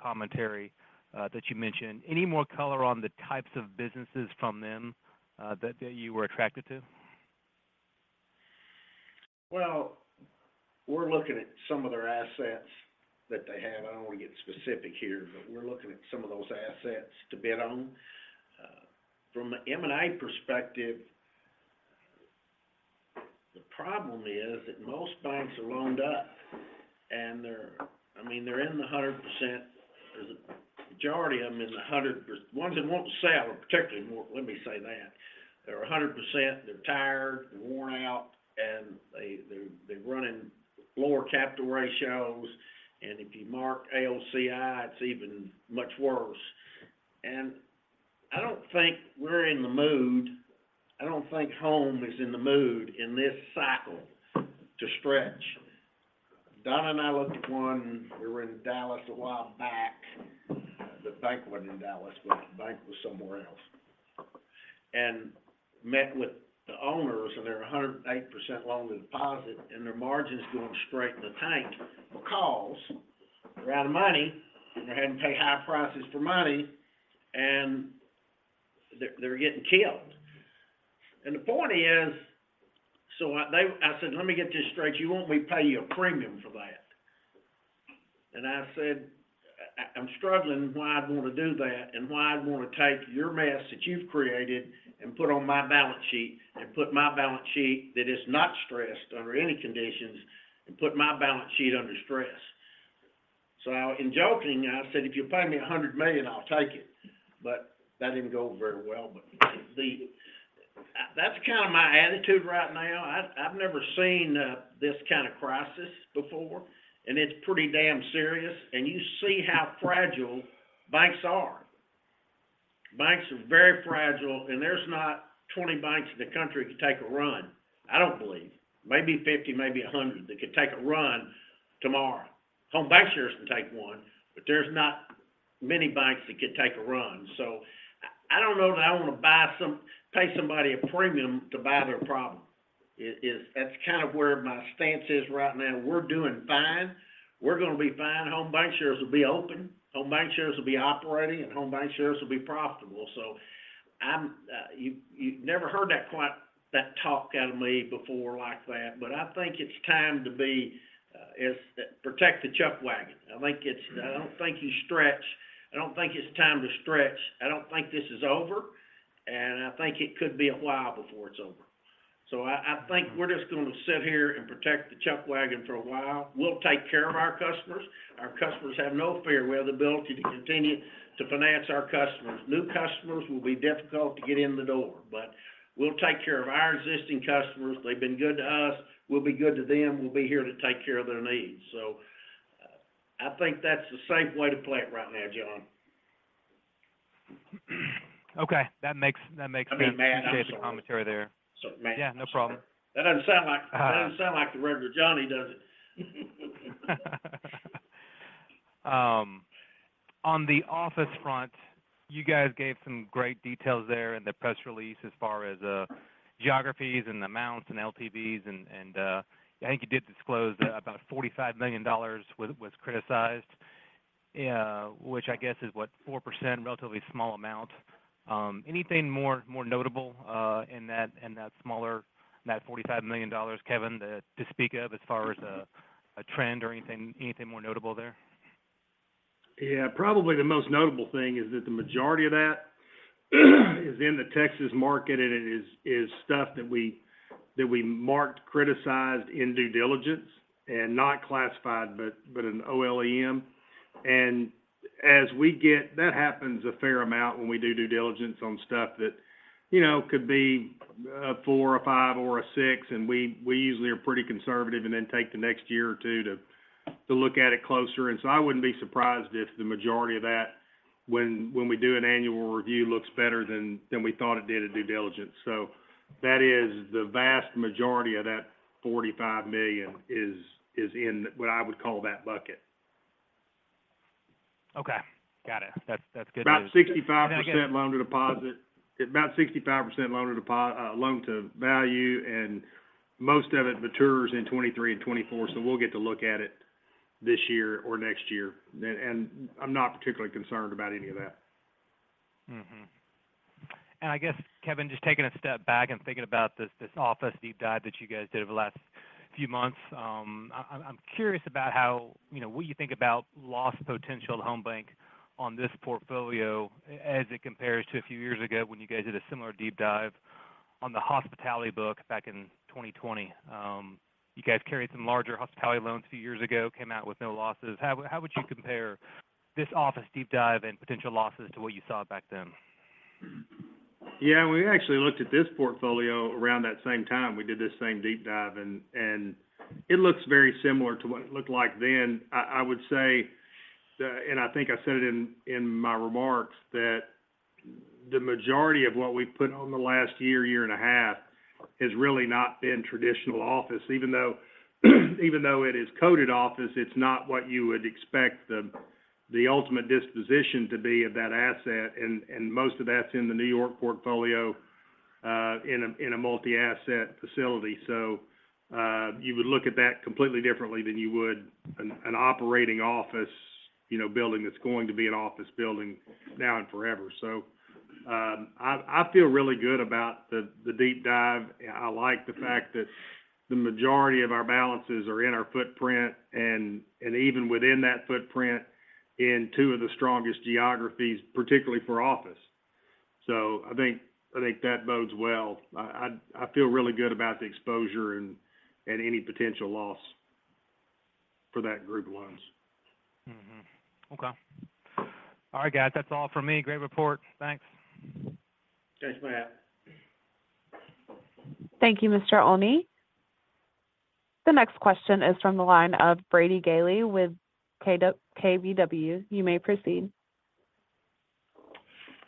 commentary that you mentioned, any more color on the types of businesses from them that you were attracted to? We're looking at some of their assets that they have. I don't wanna get specific here, but we're looking at some of those assets to bid on. From the M&A perspective, the problem is that most banks are loaned up, I mean, they're in the 100%. The majority of them is 100%. Let me say that. They're 100%. They're tired, they're worn out, and they're running lower capital ratios. If you mark AOCI, it's even much worse. I don't think Home is in the mood in this cycle to stretch. Donna and I looked at one, we were in Dallas a while back. The bank wasn't in Dallas, but the bank was somewhere else, and met with the owners, and they're 108% loan to deposit, and their margin's going straight in the tank because they're out of money, and they had to pay high prices for money, and they're getting killed. The point is... I said, "Let me get this straight. You want me to pay you a premium for that?" I said, "I'm struggling why I'd want to do that, and why I'd want to take your mess that you've created and put on my balance sheet, and put my balance sheet that is not stressed under any conditions, and put my balance sheet under stress." In joking I said, "If you'll pay me $100 million, I'll take it." That didn't go over very well. That's kind of my attitude right now. I've never seen this kind of crisis before, and it's pretty damn serious, and you see how fragile banks are. Banks are very fragile, and there's not 20 banks in the country that could take a run, I don't believe. Maybe 50, maybe 100 that could take a run tomorrow. Home BancShares can take one, but there's not many banks that could take a run. I don't know that I wanna pay somebody a premium to buy their problem. That's kind of where my stance is right now. We're doing fine. We're gonna be fine. Home BancShares will be open. Home BancShares will be operating, and Home BancShares will be profitable. I'm. You never heard that quite, that talk out of me before like that. I think it's time to be protect the chuck wagon. I don't think you stretch. I don't think it's time to stretch. I don't think this is over, and I think it could be a while before it's over. I think we're just gonna sit here and protect the chuck wagon for a while. We'll take care of our customers. Our customers have no fear. We have the ability to continue to finance our customers. New customers will be difficult to get in the door, but we'll take care of our existing customers. They've been good to us. We'll be good to them. We'll be here to take care of their needs. I think that's the safe way to play it right now, John. Okay. That makes sense. I mean, Matt, I'm sorry.... the commentary there. Sorry, Matt. Yeah, no problem. That doesn't sound like- Uh. That doesn't sound like the regular Johnny, does it? On the office front, you guys gave some great details there in the press release as far as geographies and amounts and LTVs and I think you did disclose about $45 million was criticized. Yeah, which I guess is what, 4%, relatively small amount. Anything more notable in that smaller, in that $45 million, Kevin, to speak of as far as a trend or anything more notable there? Yeah. Probably the most notable thing is that the majority of that is in the Texas market, and it is stuff that we marked, criticized in due diligence and not classified, but in OLEM. That happens a fair amount when we do due diligence on stuff that, you know, could be a four, a five, or a six, and we usually are pretty conservative and then take the next year or two to look at it closer. I wouldn't be surprised if the majority of that, when we do an annual review, looks better than we thought it did at due diligence. That is the vast majority of that $45 million is in what I would call that bucket. Okay. Got it. That's good news. About 65% loan to deposit. About 65% loan to value, and most of it matures in 2023 and 2024, so we'll get to look at it this year or next year. I'm not particularly concerned about any of that. I guess, Kevin, just taking a step back and thinking about this office deep dive that you guys did over the last few months, I'm curious about how, you know, what you think about loss potential at Home Banc on this portfolio as it compares to a few years ago when you guys did a similar deep dive on the hospitality book back in 2020. You guys carried some larger hospitality loans a few years ago, came out with no losses. How, how would you compare this office deep dive and potential losses to what you saw back then? Yeah, we actually looked at this portfolio around that same time. We did this same deep dive and it looks very similar to what it looked like then. I would say, and I think I said it in my remarks, that the majority of what we've put on the last year and a half, has really not been traditional office. Even though it is coded office, it's not what you would expect the ultimate disposition to be of that asset, and most of that's in the New York portfolio, in a multi-asset facility. You would look at that completely differently than you would an operating office, you know, building that's going to be an office building now and forever. I feel really good about the deep dive. I like the fact that the majority of our balances are in our footprint and even within that footprint in two of the strongest geographies, particularly for office. I think that bodes well. I feel really good about the exposure and any potential loss for that group of loans. Okay. All right, guys, that's all from me. Great report. Thanks. Thanks, Matt. Thank you, Mr. Olney. The next question is from the line of Brady Gailey with KBW. You may proceed.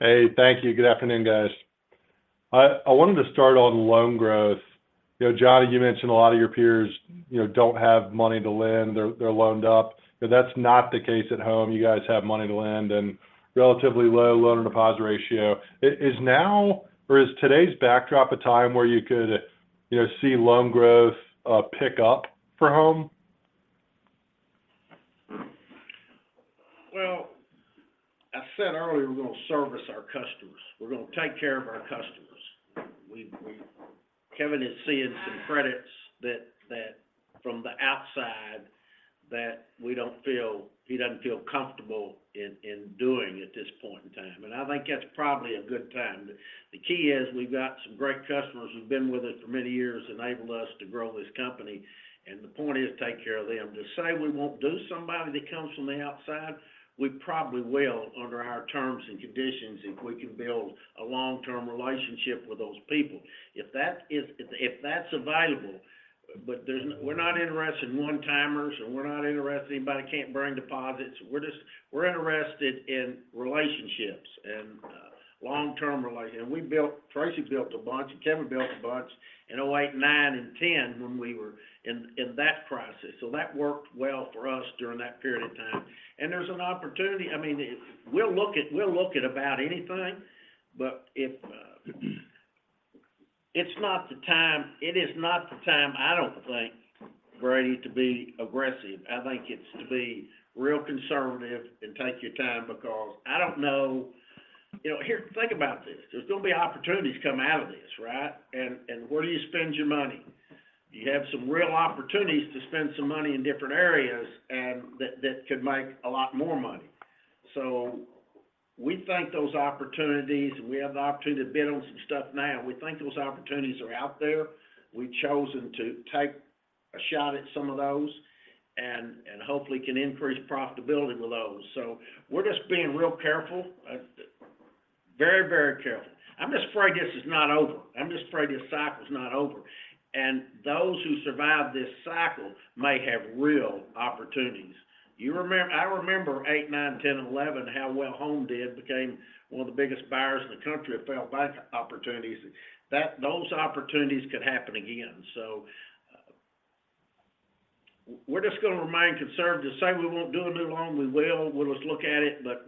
Hey, thank you. Good afternoon, guys. I wanted to start on loan growth. You know, Johnny, you mentioned a lot of your peers, you know, don't have money to lend. They're loaned up. That's not the case at Home. You guys have money to lend and relatively low loan-to-deposit ratio. Is now or is today's backdrop a time where you could, you know, see loan growth pick up for Home? Well, I said earlier, we're gonna service our customers. We're gonna take care of our customers. Kevin is seeing some credits that from the outside, that we don't feel, he doesn't feel comfortable in doing at this point in time. I think that's probably a good time. The key is we've got some great customers who've been with us for many years, enabled us to grow this company, and the point is to take care of them. To say we won't do somebody that comes from the outside, we probably will under our terms and conditions, if we can build a long-term relationship with those people. If that's available. We're not interested in one-timers, and we're not interested in anybody that can't bring deposits. We're interested in relationships and long-term. We built, Tracy French built a bunch, and Kevin Hester built a bunch in 2008, 2009, and 2010 when we were in that process. That worked well for us during that period of time. There's an opportunity, I mean, we'll look at about anything. If it's not the time, it is not the time, I don't think, Brady, to be aggressive. I think it's to be real conservative and take your time because I don't know... You know, here, think about this. There's gonna be opportunities come out of this, right? Where do you spend your money? You have some real opportunities to spend some money in different areas, and that could make a lot more money. We think those opportunities, and we have the opportunity to bid on some stuff now, we think those opportunities are out there. We've chosen to take a shot at some of those and hopefully can increase profitability with those. We're just being real careful. Very, very careful. I'm just afraid this is not over. I'm just afraid this cycle's not over. Those who survive this cycle may have real opportunities. I remember 2008, 2009, 2010, and 2011 how well Home did, became one of the biggest buyers in the country of failed bank opportunities. Those opportunities could happen again. We're just gonna remain conservative. To say we won't do a new loan, we will. We'll just look at it, but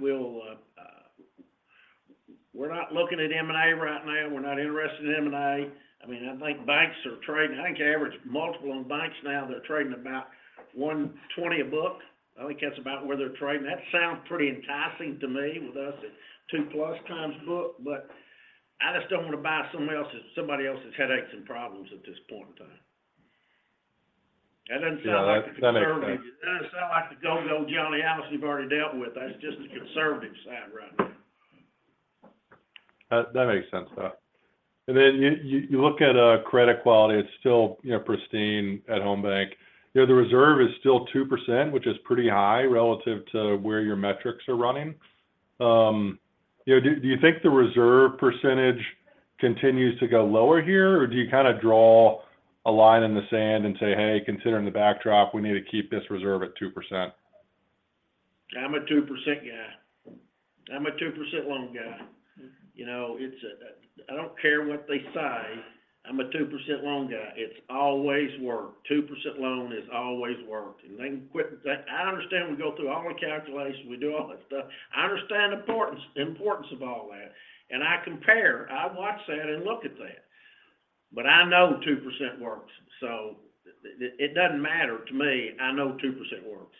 we're not looking at M&A right now. We're not interested in M&A. I mean, I think average multiple on banks now, they're trading about 1.20x book. I think that's about where they're trading. That sounds pretty enticing to me with us at 2x+ book, but I just don't want to buy somebody else's headaches and problems at this point in time. That doesn't sound like a conservative. No, that makes sense. That doesn't sound like the go-go Johnny Allison you've already dealt with. That's just the conservative side right now. That makes sense, though. Then you look at credit quality, it's still, you know, pristine at Home Banc. You know, the reserve is still 2%, which is pretty high relative to where your metrics are running. You know, do you think the reserve percentage continues to go lower here, or do you kind of draw a line in the sand and say, "Hey, considering the backdrop, we need to keep this reserve at 2%"? I'm a 2% guy. I'm a 2% loan guy. You know, it's, I don't care what they say, I'm a 2% loan guy. It's always worked. 2% loan has always worked. They can quit that. I understand we go through all the calculations, we do all that stuff. I understand the importance of all that, and I compare. I watch that and look at that. I know 2% works, so it doesn't matter to me. I know 2% works.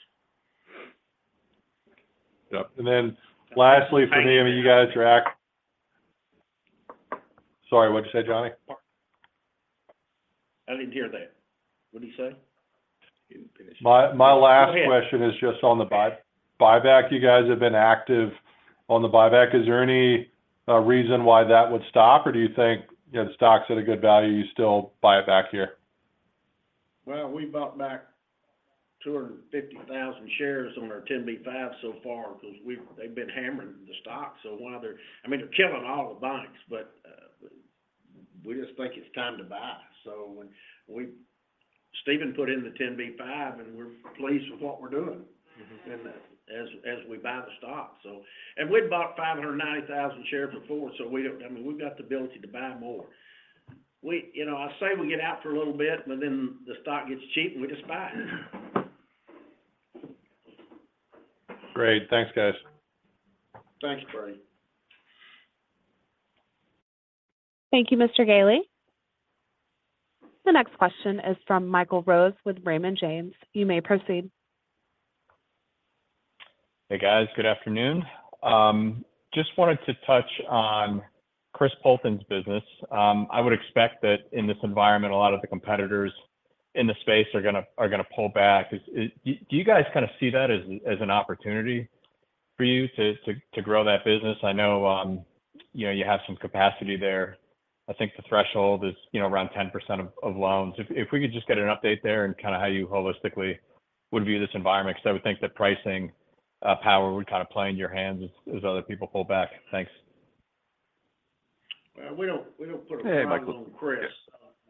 Yep. Then lastly, for me, I mean, you guys are act-. Sorry, what'd you say, Johnny? I didn't hear that. What'd he say? He didn't finish. My last question- Go ahead.... is just on the buyback. You guys have been active on the buyback. Is there any reason why that would stop, or do you think, you know, the stock's at a good value, you still buy it back here? Well, we bought back 250,000 shares on our 10b5-1 so far because they've been hammering the stock. While I mean, they're killing all the banks, but we just think it's time to buy. When Stephen put in the 10b5-1, and we're pleased with what we're doing- Mm-hmm... and as we buy the stock, so. We'd bought 590,000 shares before, so we don't I mean, we've got the ability to buy more. We, you know, I say we get out for a little bit, the stock gets cheap, and we just buy it. Great. Thanks, guys. Thanks, Brady. Thank you, Mr. Gailey. The next question is from Michael Rose with Raymond James. You may proceed. Hey, guys. Good afternoon. Just wanted to touch on Chris Poulton's business. I would expect that in this environment, a lot of the competitors in the space are gonna pull back. Do you guys kind of see that as an opportunity for you to grow that business? I know, you know, you have some capacity there. I think the threshold is, you know, around 10% of loans. If we could just get an update there and kind of how you holistically would view this environment, because I would think that pricing power would kind of play in your hands as other people pull back. Thanks. Well, we don't put a mic on Chris. Hey, Michael.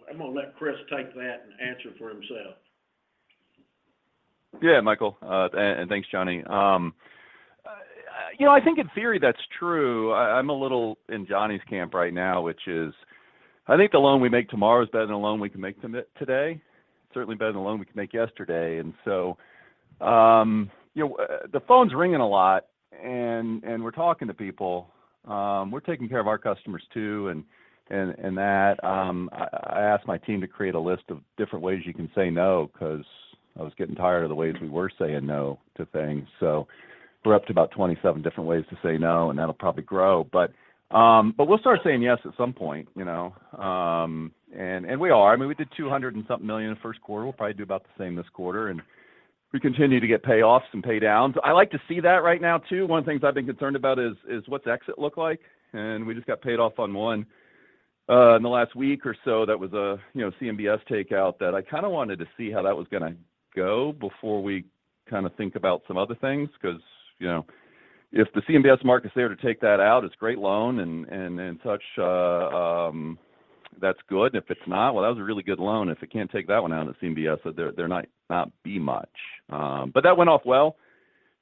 Yeah. I'm gonna let Chris take that and answer for himself. Yeah, Michael. Thanks, Johnny. You know, I think in theory that's true. I'm a little in Johnny's camp right now, which is I think the loan we make tomorrow is better than the loan we can make today, certainly better than the loan we could make yesterday. You know, the phone's ringing a lot and we're talking to people. We're taking care of our customers too and that. I asked my team to create a list of different ways you can say no, 'cause I was getting tired of the ways we were saying no to things. We're up to about 27 different ways to say no, and that'll probably grow. We'll start saying yes at some point, you know. And we are. I mean, we did $200 and something million in the first quarter. We'll probably do about the same this quarter. We continue to get payoffs and paydowns. I like to see that right now too. One of the things I've been concerned about is what's exit look like. We just got paid off on one in the last week or so that was a, you know, CMBS takeout that I kind of wanted to see how that was gonna go before we kind of think about some other things. You know, if the CMBS market's there to take that out, it's a great loan and in such, that's good. If it's not, well, that was a really good loan. If it can't take that one out in the CMBS, there might not be much. That went off well.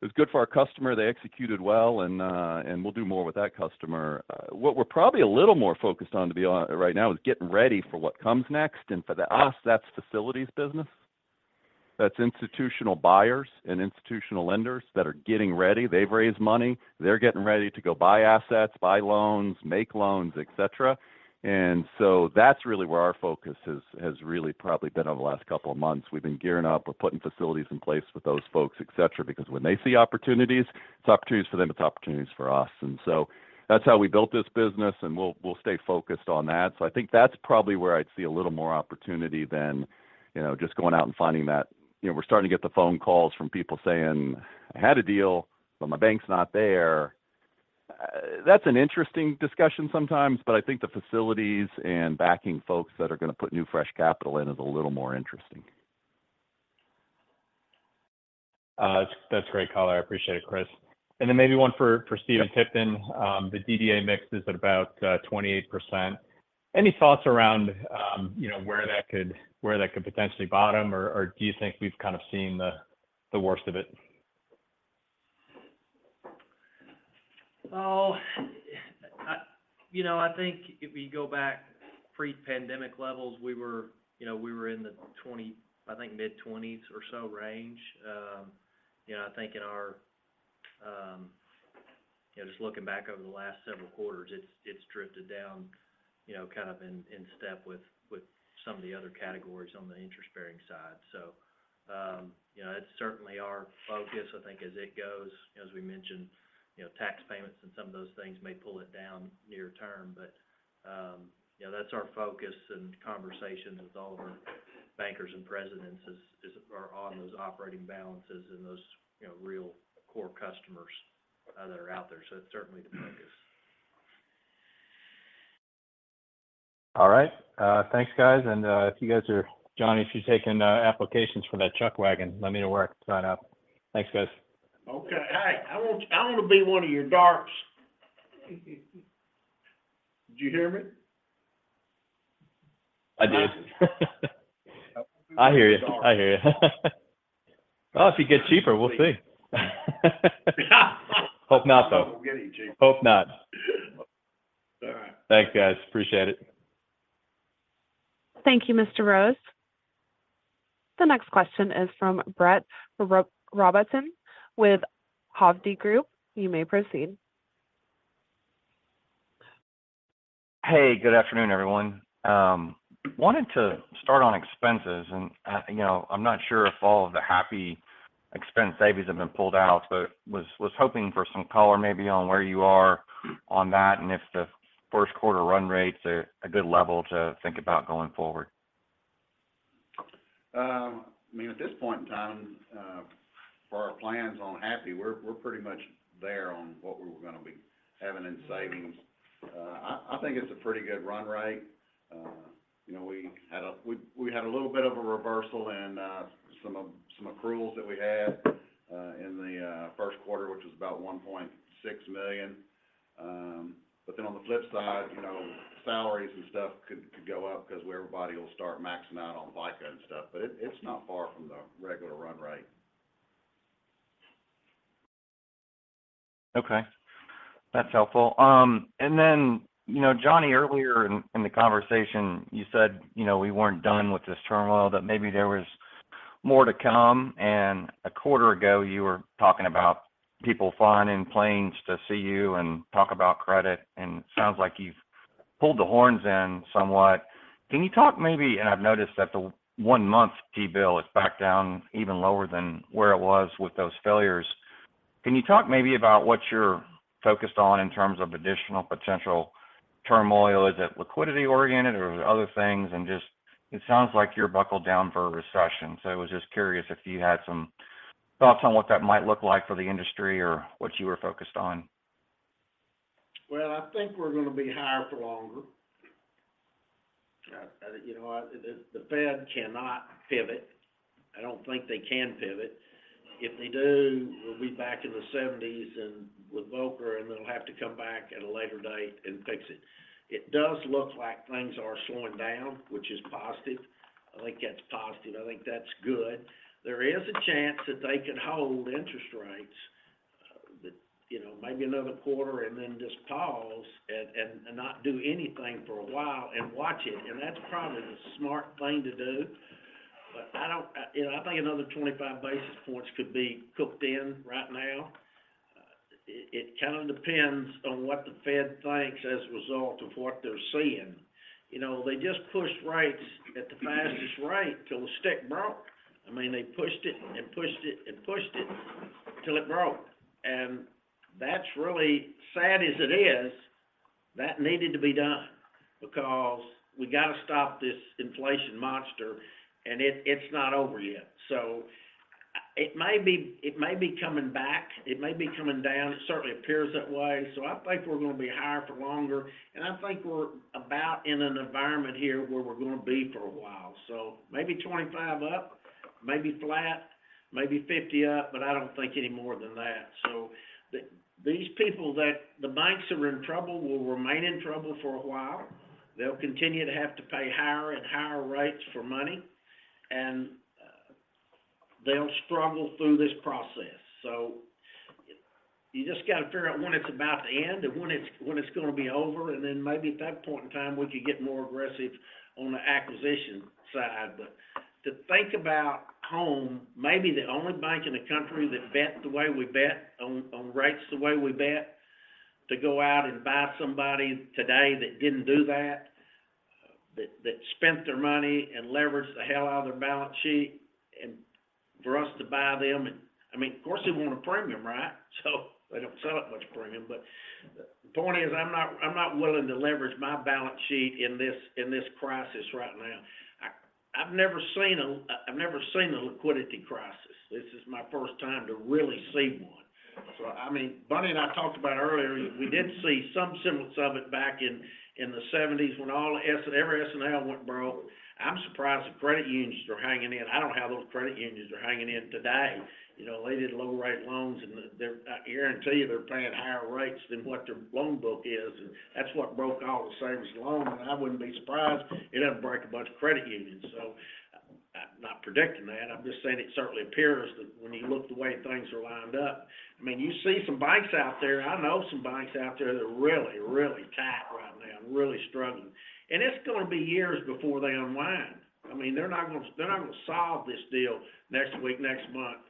It was good for our customer. They executed well, we'll do more with that customer. What we're probably a little more focused on, to be honest, right now is getting ready for what comes next. For the U.S., that's facilities business. That's institutional buyers and institutional lenders that are getting ready. They've raised money. They're getting ready to go buy assets, buy loans, make loans, et cetera. That's really where our focus has really probably been over the last couple of months. We've been gearing up. We're putting facilities in place with those folks, et cetera, because when they see opportunities, it's opportunities for them, it's opportunities for us. That's how we built this business, and we'll stay focused on that. I think that's probably where I'd see a little more opportunity than, you know, just going out and finding that. We're starting to get the phone calls from people saying, "I had a deal, but my bank's not there." That's an interesting discussion sometimes, I think the facilities and backing folks that are gonna put new fresh capital in is a little more interesting. That's great color. I appreciate it, Chris. Then maybe one for Stephen Tipton. The DDA mix is at about 28%. Any thoughts around, you know, where that could potentially bottom, or do you think we've kind of seen the worst of it? You know, I think if we go back. Pre-pandemic levels, we were, you know, we were in the I think mid-20s or so range. You know, I think in our, you know, just looking back over the last several quarters, it's drifted down, you know, kind of in step with some of the other categories on the interest-bearing side. You know, it's certainly our focus. I think as it goes, as we mentioned, you know, tax payments and some of those things may pull it down near term. You know, that's our focus and conversation with all of our bankers and presidents are on those operating balances and those, you know, real core customers, that are out there. It's certainly the focus. All right. Thanks, guys. Johnny, if you're taking, applications for that chuck wagon, let me know where I can sign up. Thanks, guys. Hey, I wanna be one of your darts. Did you hear me? I did. I hear you. I hear you. Well, if you get cheaper, we'll see. Hope not, though. It won't get any cheaper. Hope not. All right. Thanks, guys. Appreciate it. Thank you, Mr. Rose. The next question is from Brett Rabatin with Hovde Group. You may proceed. Hey, good afternoon, everyone. Wanted to start on expenses. You know, I'm not sure if all of the Happy expense savings have been pulled out, but was hoping for some color maybe on where you are on that, and if the first quarter run rates are a good level to think about going forward. At this point in time, for our plans on happy, we're pretty much there on what we were gonna be having in savings. I think it's a pretty good run rate. We had a little bit of a reversal in some accruals that we had in the first quarter, which was about $1.6 million. On the flip side, you know, salaries and stuff could go up because everybody will start maxing out on FICA and stuff. It's not far from the regular run rate. Okay. That's helpful. Then, you know, Johnny, earlier in the conversation, you said, you know, we weren't done with this turmoil, that maybe there was more to come. A quarter ago, you were talking about people flying in planes to see you and talk about credit, and sounds like you've pulled the horns in somewhat. I've noticed that the one month T-bill is back down even lower than where it was with those failures. Can you talk maybe about what you're focused on in terms of additional potential turmoil? Is it liquidity oriented, or is it other things? Just, it sounds like you're buckled down for a recession. I was just curious if you had some thoughts on what that might look like for the industry or what you were focused on. I think we're gonna be higher for longer. You know, the Fed cannot pivot. I don't think they can pivot. If they do, we'll be back in the seventies and with Volcker, and they'll have to come back at a later date and fix it. It does look like things are slowing down, which is positive. I think that's positive. I think that's good. There is a chance that they could hold interest rates, you know, maybe another quarter and then just pause and not do anything for a while and watch it, and that's probably the smart thing to do. You know, I think another 25 basis points could be cooked in right now. It kind of depends on what the Fed thinks as a result of what they're seeing. You know, they just pushed rates at the fastest rate till the stick broke. I mean, they pushed it and pushed it and pushed it till it broke. That's really, sad as it is, that needed to be done because we got to stop this inflation monster, and it's not over yet. It may be coming back, it may be coming down. It certainly appears that way. I think we're gonna be higher for longer, and I think we're about in an environment here where we're gonna be for a while. Maybe 25 up, maybe flat, maybe 50 up, but I don't think any more than that. These people that the banks are in trouble will remain in trouble for a while. They'll continue to have to pay higher and higher rates for money, they'll struggle through this process. You just got to figure out when it's about to end and when it's gonna be over, maybe at that point in time, we could get more aggressive on the acquisition side. To think about Home, maybe the only bank in the country that bet the way we bet on rates the way we bet, to go out and buy somebody today that didn't do that spent their money and leveraged the hell out of their balance sheet, for us to buy them, I mean, of course, they want a premium, right? They don't sell it much premium. The point is, I'm not willing to leverage my balance sheet in this crisis right now. I've never seen a liquidity crisis. This is my first time to really see one. I mean, Bunny and I talked about earlier, we did see some semblance of it back in the 1970s when every S&L went broke. I'm surprised the credit unions are hanging in. I don't know how those credit unions are hanging in today. You know, they did low rate loans, I guarantee you they're paying higher rates than what their loan book is, and that's what broke all the savings and loans. I wouldn't be surprised it doesn't break a bunch of credit unions. predicting that. I'm just saying it certainly appears that when you look the way things are lined up. I mean, you see some banks out there, I know some banks out there that are really, really tight right now and really struggling. It's gonna be years before they unwind. I mean, they're not going to, they're not going to solve this deal next week, next month.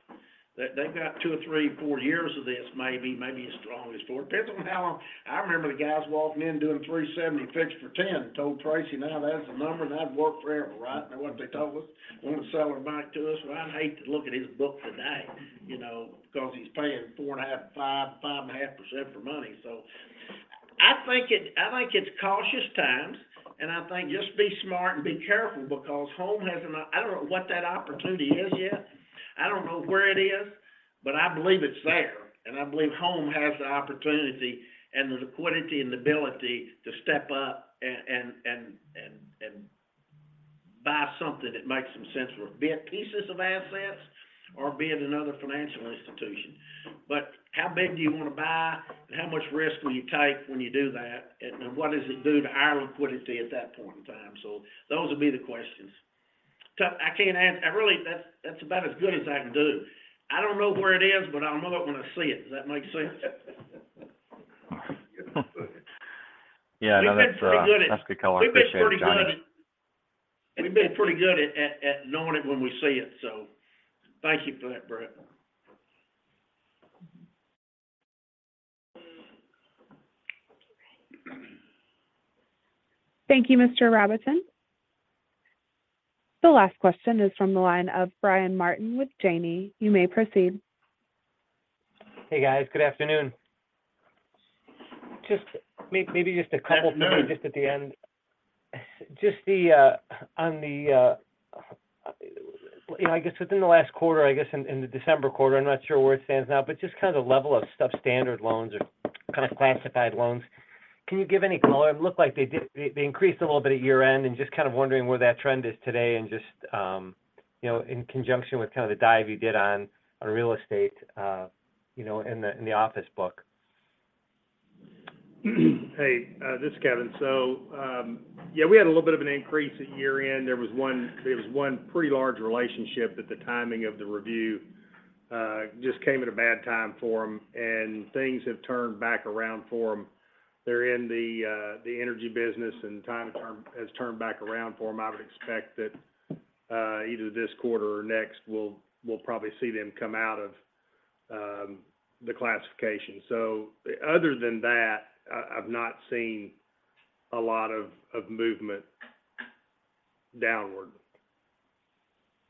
They've got two or three, four years of this maybe as strong as four. Depends on how long. I remember the guys walking in doing 3.70 fixed for 10, told Tracy, "Now that's the number," and that worked forever, right? What did they tell us? Wanted to sell their bank to us. I'd hate to look at his book today, you know, because he's paying 4.5%, 5%, 5.5% for money. I think it, I think it's cautious times, and I think just be smart and be careful because Home has. I don't know what that opportunity is yet. I don't know where it is, but I believe it's there, and I believe Home has the opportunity and the liquidity and the ability to step up and buy something that makes some sense for them, be it pieces of assets or be it another financial institution. How big do you want to buy, and how much risk will you take when you do that, and what does it do to our liquidity at that point in time? Those would be the questions. I can't. That's about as good as I can do. I don't know where it is, but I'll know it when I see it. Does that make sense? Yeah, no, that's that's good color. I appreciate it, Johnny. We've been pretty good at knowing it when we see it. Thank you for that, Brett. Thank you, Mr. Rabatin. The last question is from the line of Brian Martin with Janney. You may proceed. Hey, guys. Good afternoon. Maybe just a couple things just at the end. Afternoon. Just the, on the, you know, I guess within the last quarter, in the December quarter, I'm not sure where it stands now, but just kind of the level of substandard loans or kind of classified loans. Can you give any color? It looked like they increased a little bit at year-end and just kind of wondering where that trend is today and just, you know, in conjunction with kind of the dive you did on real estate, you know, in the, in the office book. Hey, this is Kevin. Yeah, we had a little bit of an increase at year-end. There was one pretty large relationship that the timing of the review just came at a bad time for them, and things have turned back around for them. They're in the energy business, and time has turned back around for them. I would expect that either this quarter or next, we'll probably see them come out of the classification. Other than that, I've not seen a lot of movement downward.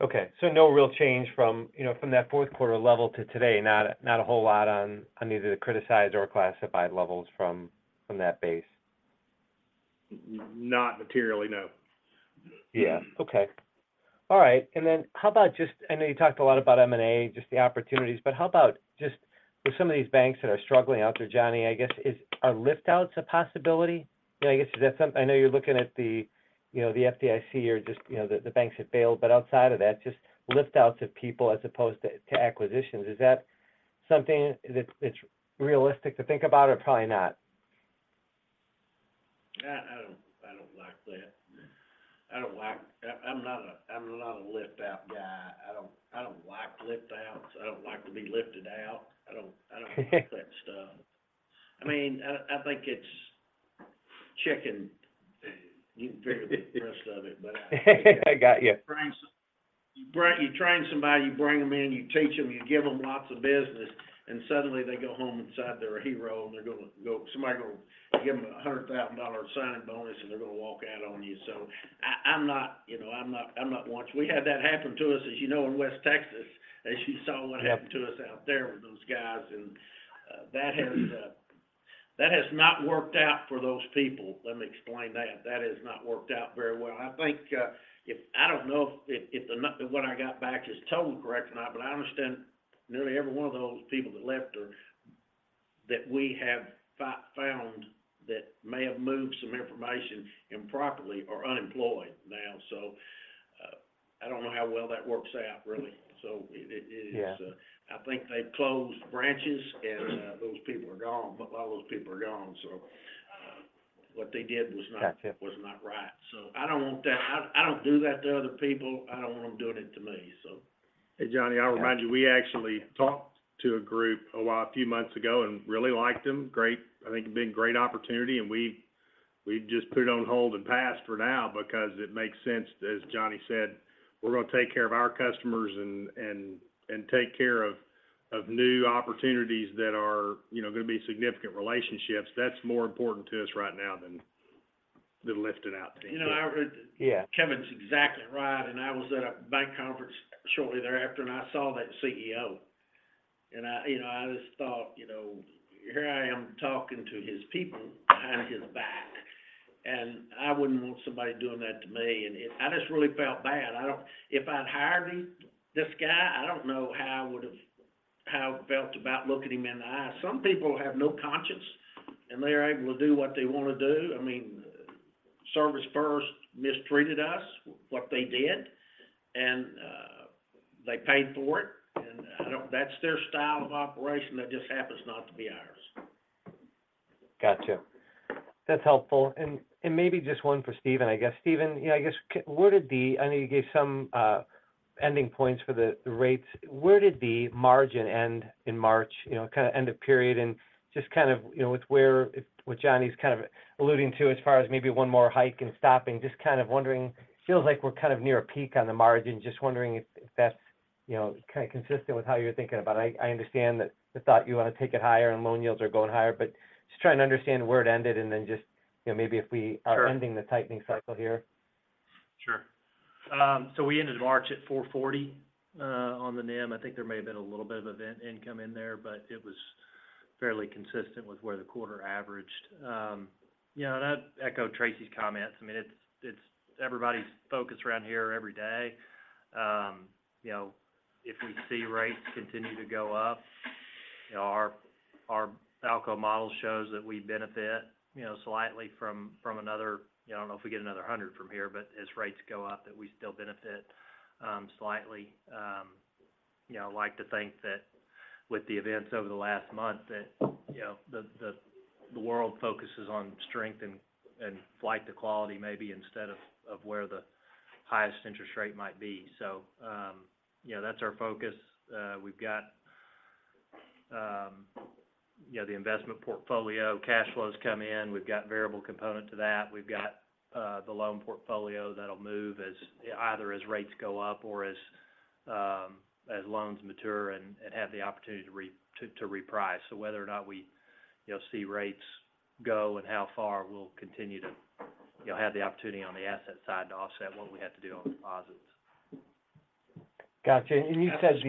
Okay. No real change from, you know, from that fourth quarter level to today? Not a whole lot on either the criticized or classified levels from that base? Not materially, no. Yeah. Okay. All right. How about I know you talked a lot about M&A, just the opportunities, but how about just with some of these banks that are struggling out there, Johnny, I guess, are lift outs a possibility? You know, I know you're looking at the FDIC or just the banks that failed, but outside of that, just lift outs of people as opposed to acquisitions. Is that something that's realistic to think about or probably not? I don't like that. I'm not a lift out guy. I don't like lift outs. I don't like to be lifted out. I don't like that stuff. I mean, I think it's chicken, you can figure out the rest of it, but I- I got you.... you train somebody, you bring them in, you teach them, you give them lots of business, and suddenly they go home and decide they're a hero, and they're gonna give them a $100,000 signing bonus, and they're gonna walk out on you. I'm not, you know, I'm not one. We had that happen to us, as you know, in West Texas, as you saw what happened to us out there with those guys. That has not worked out for those people. Let me explain that. That has not worked out very well. I think, I don't know if what I got back is totally correct or not, but I understand nearly every one of those people that left are, that we have found that may have moved some information improperly, are unemployed now. I don't know how well that works out, really. It is. Yeah. I think they've closed branches, and those people are gone. A lot of those people are gone, so what they did was- Gotcha... was not right. I don't want that. I don't do that to other people. I don't want them doing it to me, so. Hey, Johnny, I'll remind you, we actually talked to a group a few months ago and really liked them. I think it'd been a great opportunity, and we just put it on hold and passed for now because it makes sense, as Johnny said, we're gonna take care of our customers and take care of new opportunities that are, you know, gonna be significant relationships. That's more important to us right now than the lifting out team. You know... Yeah. Kevin's exactly right, and I was at a bank conference shortly thereafter, and I saw that CEO. I, you know, I just thought, you know, here I am talking to his people behind his back, and I wouldn't want somebody doing that to me. I just really felt bad. If I'd hired him, this guy, I don't know how I would have, how I felt about looking him in the eye. Some people have no conscience, and they're able to do what they wanna do. I mean, ServisFirst mistreated us, what they did, and they paid for it. That's their style of operation. That just happens not to be ours. Gotcha. That's helpful. Maybe just one for Stephen, I guess. Stephen, you know, I guess I know you gave some ending points for the rates. Where did the margin end in March? You know, kind of end of period and just kind of, you know, with where, with Johnny's kind of alluding to as far as maybe one more hike and stopping. Kind of wondering, feels like we're kind of near a peak on the margin. Wondering if that's, you know, kind of consistent with how you're thinking about it. I understand that the thought you want to take it higher and loan yields are going higher, just trying to understand where it ended and then just, you know, maybe if we are ending the tightening cycle here. Sure. We ended March at 4.40 on the NIM. I think there may have been a little bit of event income in there, but it was fairly consistent with where the quarter averaged. You know, I'd echo Tracy's comments. I mean, it's everybody's focus around here every day. You know, if we see rates continue to go up, you know, our ALCO model shows that we benefit, you know, slightly from another, you know, I don't know if we get another 100 from here, but as rates go up, that we still benefit slightly. You know, like to think that with the events over the last month that, you know, the world focuses on strength and flight to quality maybe instead of where the highest interest rate might be. You know, that's our focus. We've got, you know, the investment portfolio cash flows come in. We've got variable component to that. We've got the loan portfolio that'll move as either as rates go up or as loans mature and have the opportunity to reprice. Whether or not we, you know, see rates go and how far we'll continue to, you know, have the opportunity on the asset side to offset what we have to do on deposits. Gotcha. You said.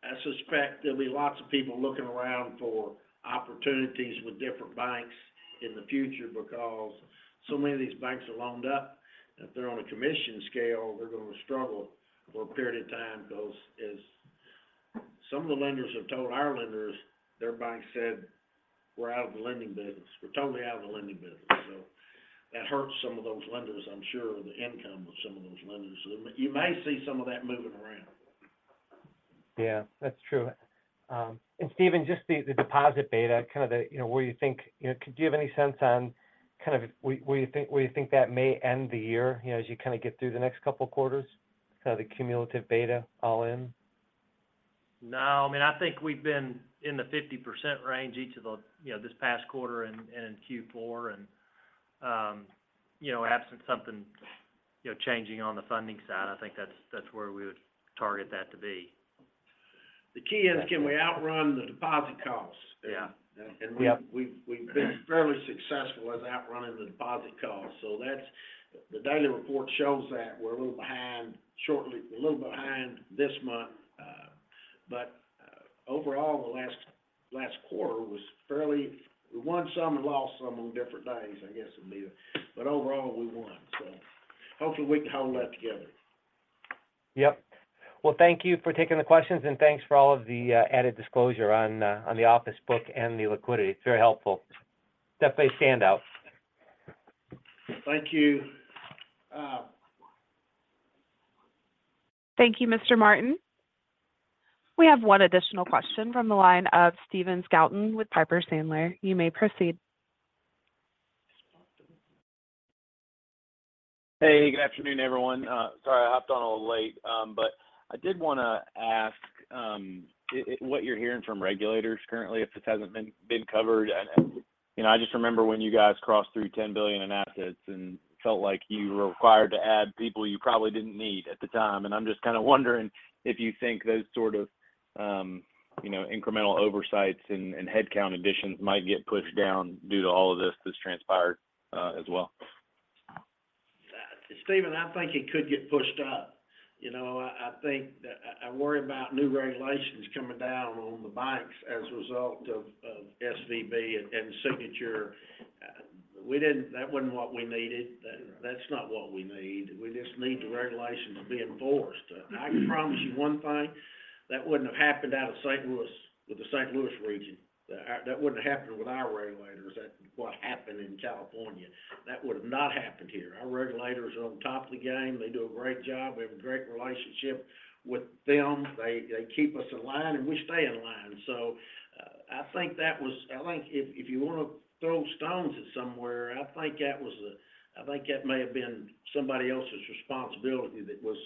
I suspect there'll be lots of people looking around for opportunities with different banks in the future because so many of these banks are loaned up. If they're on a commission scale, they're gonna struggle for a period of time because as some of the lenders have told our lenders, their bank said, "We're out of the lending business. We're totally out of the lending business." That hurts some of those lenders, I'm sure, or the income of some of those lenders. You may see some of that moving around. Yeah, that's true. Stephen, just the deposit beta, kind of the, you know, where you think, you know, could you give any sense on kind of where you think that may end the year, you know, as you kind of get through the next couple quarters? Kind of the cumulative beta all in? No, I mean, I think we've been in the 50% range each of the, you know, this past quarter and, in Q4. You know, absent something, you know, changing on the funding side, I think that's where we would target that to be. The key is can we outrun the deposit costs? Yeah. Yep. We've been fairly successful with outrunning the deposit costs. The daily report shows that we're a little behind shortly, a little behind this month. Overall, the last quarter was fairly, we won some and lost some on different days, I guess it'd be. Overall, we won. Hopefully we can hold that together. Yep. Well, thank you for taking the questions, and thanks for all of the added disclosure on on the office book and the liquidity. It's very helpful. Definitely a standout. Thank you. Thank you, Mr. Martin. We have one additional question from the line of Stephen Scouton with Piper Sandler. You may proceed. Hey, good afternoon, everyone. Sorry I hopped on a little late. I did wanna ask what you're hearing from regulators currently, if this hasn't been covered. You know, I just remember when you guys crossed through 10 billion in assets and felt like you were required to add people you probably didn't need at the time. I'm just kinda wondering if you think those sort of, you know, incremental oversights and headcount additions might get pushed down due to all of this that's transpired as well. Stephen, I think it could get pushed up. You know, I think that I worry about new regulations coming down on the banks as a result of SVB and Signature. That wasn't what we needed. That's not what we need. We just need the regulations to be enforced. I can promise you one thing, that wouldn't have happened out of St. Louis with the St. Louis region. That wouldn't have happened with our regulators, what happened in California. That would have not happened here. Our regulators are on top of the game. They do a great job. We have a great relationship with them. They keep us in line, and we stay in line. I think if you want to throw stones at somewhere, I think that may have been somebody else's responsibility that was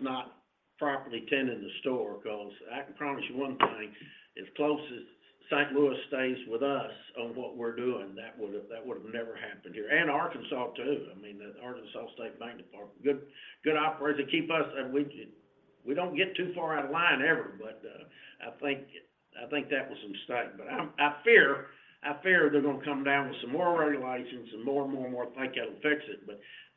not properly tending the store, 'cause I can promise you one thing, as close as St. Louis stays with us on what we're doing, that would've never happened here. Arkansas too, I mean, the Arkansas State Bank Department, good operators. They keep us, and we don't get too far out of line ever. I think that was a mistake. I fear they're gonna come down with some more regulations and more and more and more and think that'll fix it.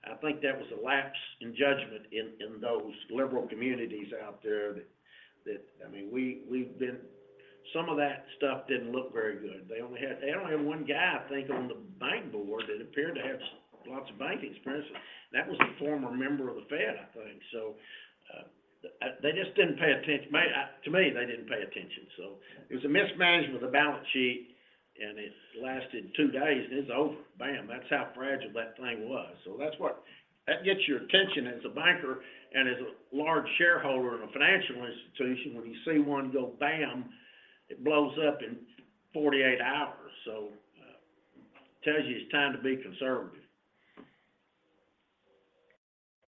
I think that was a lapse in judgment in those liberal communities out there that... I mean, some of that stuff didn't look very good. They only had one guy, I think, on the bank board that appeared to have lots of bank experience. That was a former member of The Fed, I think. They just didn't pay attention. To me, they didn't pay attention. It was a mismanagement of the balance sheet, and it lasted two days, and it's over. Bam, that's how fragile that thing was. That gets your attention as a banker and as a large shareholder in a financial institution when you see one go bam, it blows up in 48 hours. Tells you it's time to be conservative.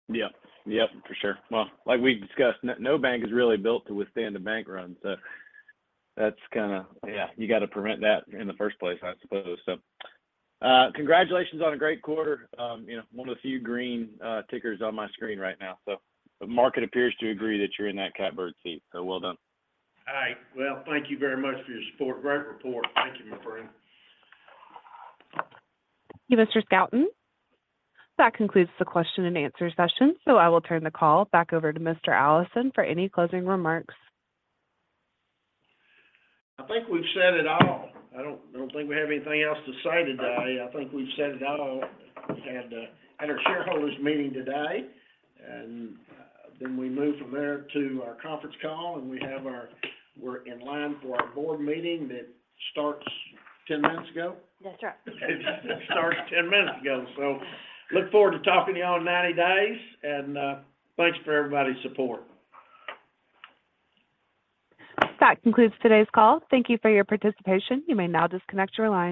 Yep, for sure. Well, like we discussed, no bank is really built to withstand a bank run. That's kinda, yeah, you gotta prevent that in the first place, I suppose so. Congratulations on a great quarter. You know, one of the few green tickers on my screen right now. The market appears to agree that you're in that catbird seat, so well done. All right. Well, thank you very much for your support. Great report. Thank you, my friend. Thank you, Mr. Scouten. That concludes the question and answer session. I will turn the call back over to Mr. Allison for any closing remarks. I think we've said it all. I don't think we have anything else to say today. I think we've said it all. We've had our shareholders meeting today, we move from there to our conference call, we're in line for our board meeting that starts 10 minutes ago? That's right. It starts 10 minutes ago. Look forward to talking to y'all in 90 days, and thanks for everybody's support. That concludes today's call. Thank you for your participation. You may now disconnect your line.